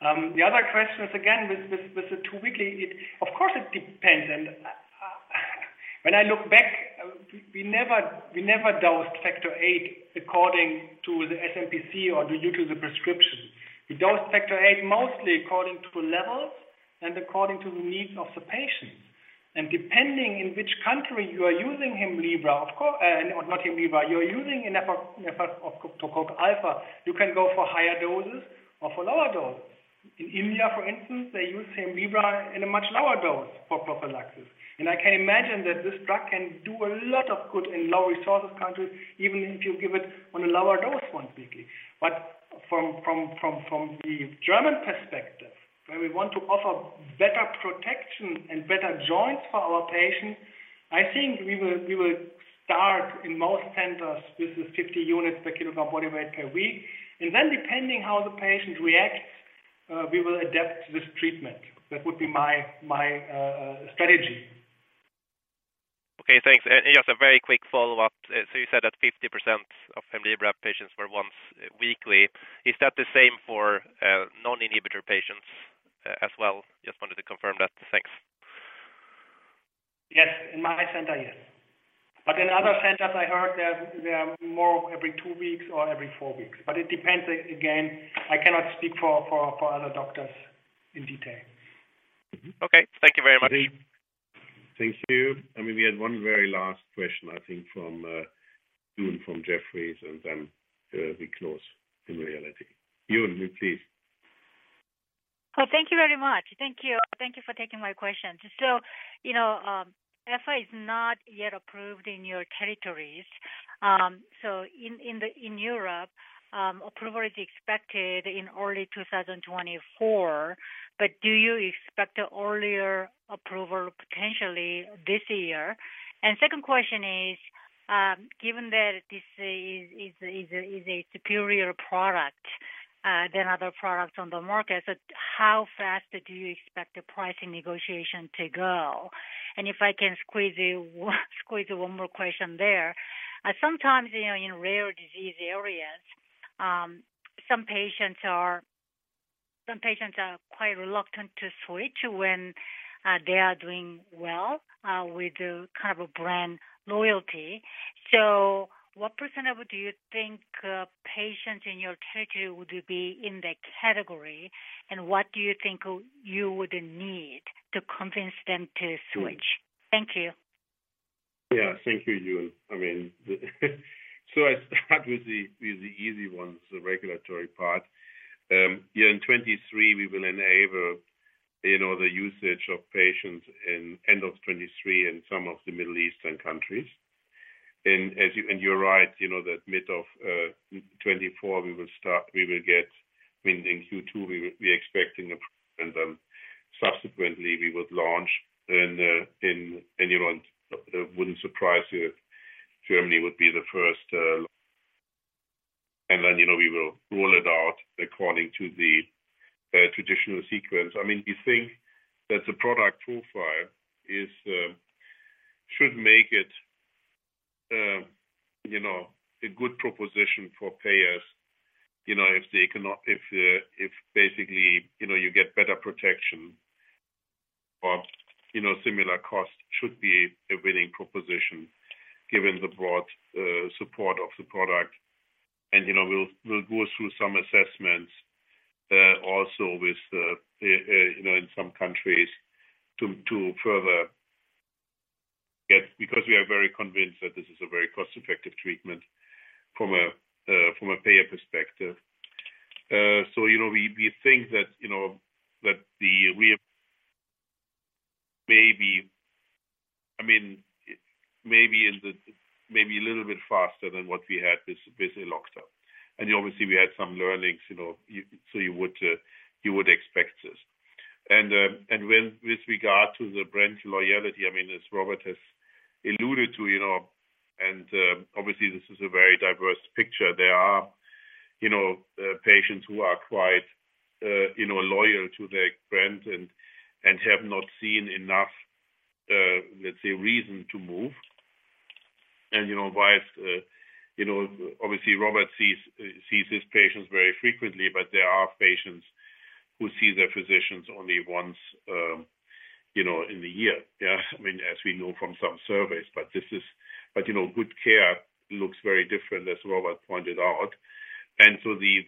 [SPEAKER 4] The other question is, again, with the two weekly, of course, it depends. And when I look back, we never dosed factor VIII according to the SmPC or due to the prescription. We dosed factor VIII mostly according to levels and according to the needs of the patient. And depending on in which country you are using Hemlibra, of course not Hemlibra, you are using efanesoctocog alfa or efmoroctocog alfa, you can go for higher doses or for lower doses. In India, for instance, they use Hemlibra in a much lower dose for prophylaxis. And I can imagine that this drug can do a lot of good in low-resource countries, even if you give it on a lower dose once weekly. But from the German perspective, where we want to offer better protection and better joints for our patients, I think we will start in most centers, this is 50 units per kilogram body weight per week. And then depending how the patient reacts, we will adapt this treatment. That would be my strategy.
[SPEAKER 11] Okay, thanks. Just a very quick follow-up. You said that 50% of Hemlibra patients were once weekly. Is that the same for non-inhibitor patients as well? Just wanted to confirm that. Thanks.
[SPEAKER 4] Yes. In my center, yes. But in other centers, I heard there are more every two weeks or every four weeks. But it depends, again, I cannot speak for other doctors in detail.
[SPEAKER 11] Okay. Thank you very much.
[SPEAKER 2] Thank you. I mean, we had one very last question, I think, from Yoon from Jefferies, and then we close in reality. Yoon, please.
[SPEAKER 12] Well, thank you very much. Thank you. Thank you for taking my question. So, you know, Efa is not yet approved in your territories. So in Europe, approval is expected in early 2024, but do you expect an earlier approval potentially this year? And second question is, given that this is a superior product than other products on the market, so how fast do you expect the pricing negotiation to go? And if I can squeeze in one more question there. Sometimes, you know, in rare disease areas, some patients are quite reluctant to switch when they are doing well with the kind of a brand loyalty. So what percentage do you think, patients in your territory would be in that category? What do you think you would need to convince them to switch? Thank you.
[SPEAKER 2] Yeah, thank you, Yoon. I mean, so I start with the, with the easy ones, the regulatory part. Yeah, in 2023, we will enable, you know, the usage of patients in end of 2023 in some of the Middle Eastern countries. And as you, and you're right, you know, that mid of 2024, we will start—we will get, I mean, in Q2, we, we expecting approval, and then subsequently, we would launch in, in anyone. It wouldn't surprise you if Germany would be the first, and then, you know, we will roll it out according to the traditional sequence. I mean, we think that the product profile is should make it, you know, a good proposition for payers. You know, if they cannot—if, if basically, you know, you get better protection but, you know, similar costs should be a winning proposition given the broad support of the product. And, you know, we'll, we'll go through some assessments, also with the, you know, in some countries to, to further get... Because we are very convinced that this is a very cost-effective treatment from a, from a payer perspective. So, you know, we, we think that, you know, that the, we have maybe, I mean, maybe in the—maybe a little bit faster than what we had with, with Elocta. And obviously, we had some learnings, you know, you, so you would, you would expect this. And when, with regard to the brand loyalty, I mean, as Robert has alluded to, you know, and obviously, this is a very diverse picture. There are, you know, patients who are quite, you know, loyal to their brand and have not seen enough, let's say, reason to move. And, you know, while, you know, obviously, Robert sees his patients very frequently, but there are patients who see their physicians only once, you know, in a year. Yeah, I mean, as we know from some surveys, but good care looks very different, as Robert pointed out. And so the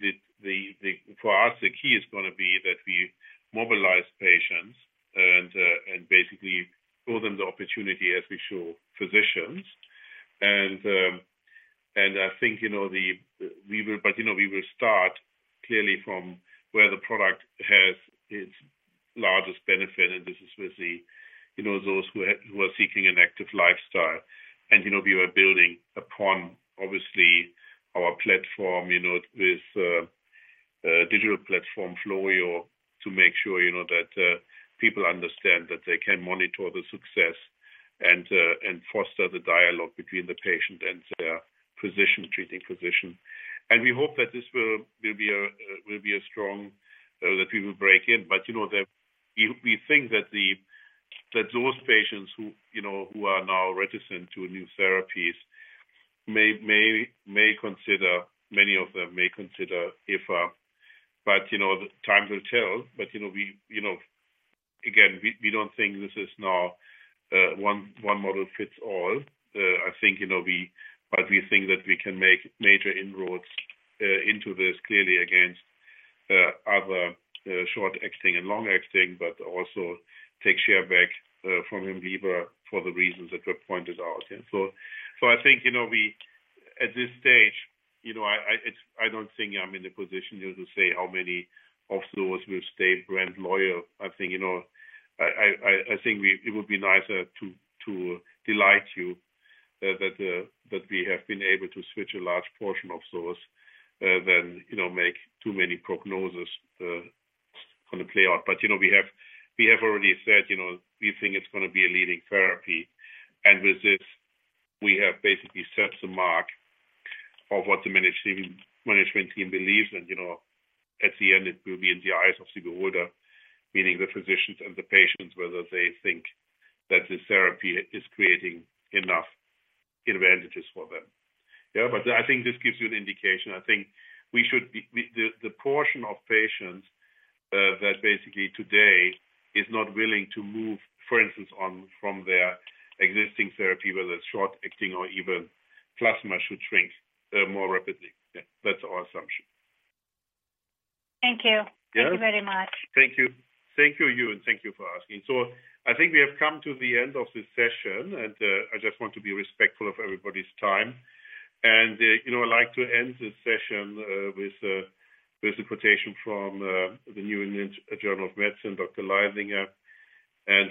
[SPEAKER 2] for us, the key is going to be that we mobilize patients and basically show them the opportunity as we show physicians. And... I think, you know, we will start clearly from where the product has its largest benefit, and this is with the, you know, those who are seeking an active lifestyle. We are building upon, obviously, our platform, you know, with our digital platform Florio to make sure, you know, that people understand that they can monitor the success and foster the dialogue between the patient and their treating physician. We hope that this will be a strong that we will break in. But, you know, we think that those patients who, you know, who are now reticent to new therapies may consider, many of them may consider if... But, you know, time will tell. But, you know, we, you know, again, we, we don't think this is now one model fits all. I think, you know, we—but we think that we can make major inroads into this clearly against other short-acting and long-acting, but also take share back from Hemlibra for the reasons that were pointed out. And so I think, you know, we at this stage, you know, I, it's, I don't think I'm in a position here to say how many of those will stay brand loyal. I think, you know, I, I think we—it would be nicer to delight you that we have been able to switch a large portion of those than, you know, make too many prognosis on the playout. But, you know, we have already said, you know, we think it's going to be a leading therapy. And with this, we have basically set the mark of what the management team believes. And, you know, at the end, it will be in the eyes of the beholder, meaning the physicians and the patients, whether they think that this therapy is creating enough advantages for them. Yeah, but I think this gives you an indication. I think we should be, the portion of patients that basically today is not willing to move, for instance, on from their existing therapy, whether short-acting or even plasma, should shrink more rapidly. Yeah, that's our assumption.
[SPEAKER 12] Thank you.
[SPEAKER 2] Yes.
[SPEAKER 12] Thank you very much.
[SPEAKER 2] Thank you. Thank you, Yoon, thank you for asking. So I think we have come to the end of this session, and I just want to be respectful of everybody's time. And, you know, I'd like to end this session with a quotation from the New England Journal of Medicine, Dr. Leissinger,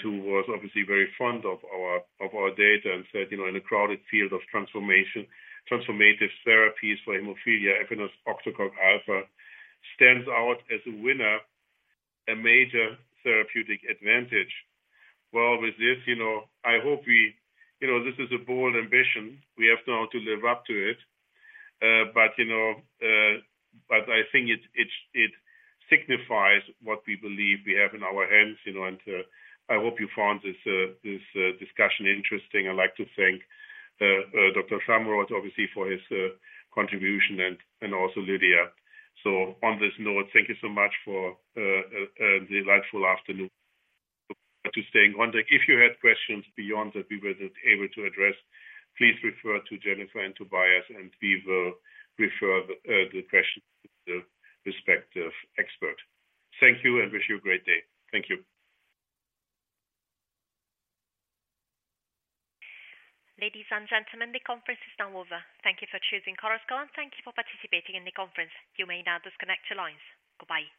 [SPEAKER 2] who was obviously very fond of our data and said, "You know, in a crowded field of transformative therapies for hemophilia, efanesoctocog alfa stands out as a winner, a major therapeutic advantage." Well, with this, you know, I hope we—you know, this is a bold ambition. We have now to live up to it. But, you know, I think it signifies what we believe we have in our hands, you know, and I hope you found this discussion interesting. I'd like to thank Dr. Klamroth, obviously, for his contribution and also Lydia. So on this note, thank you so much for a delightful afternoon to staying on. If you had questions beyond that we weren't able to address, please refer to Jennifer and Tobias, and we will refer the questions to the respective expert. Thank you and wish you a great day. Thank you.
[SPEAKER 1] Ladies and gentlemen, the conference is now over. Thank you for choosing Chorus Call, and thank you for participating in the conference. You may now disconnect your lines. Goodbye.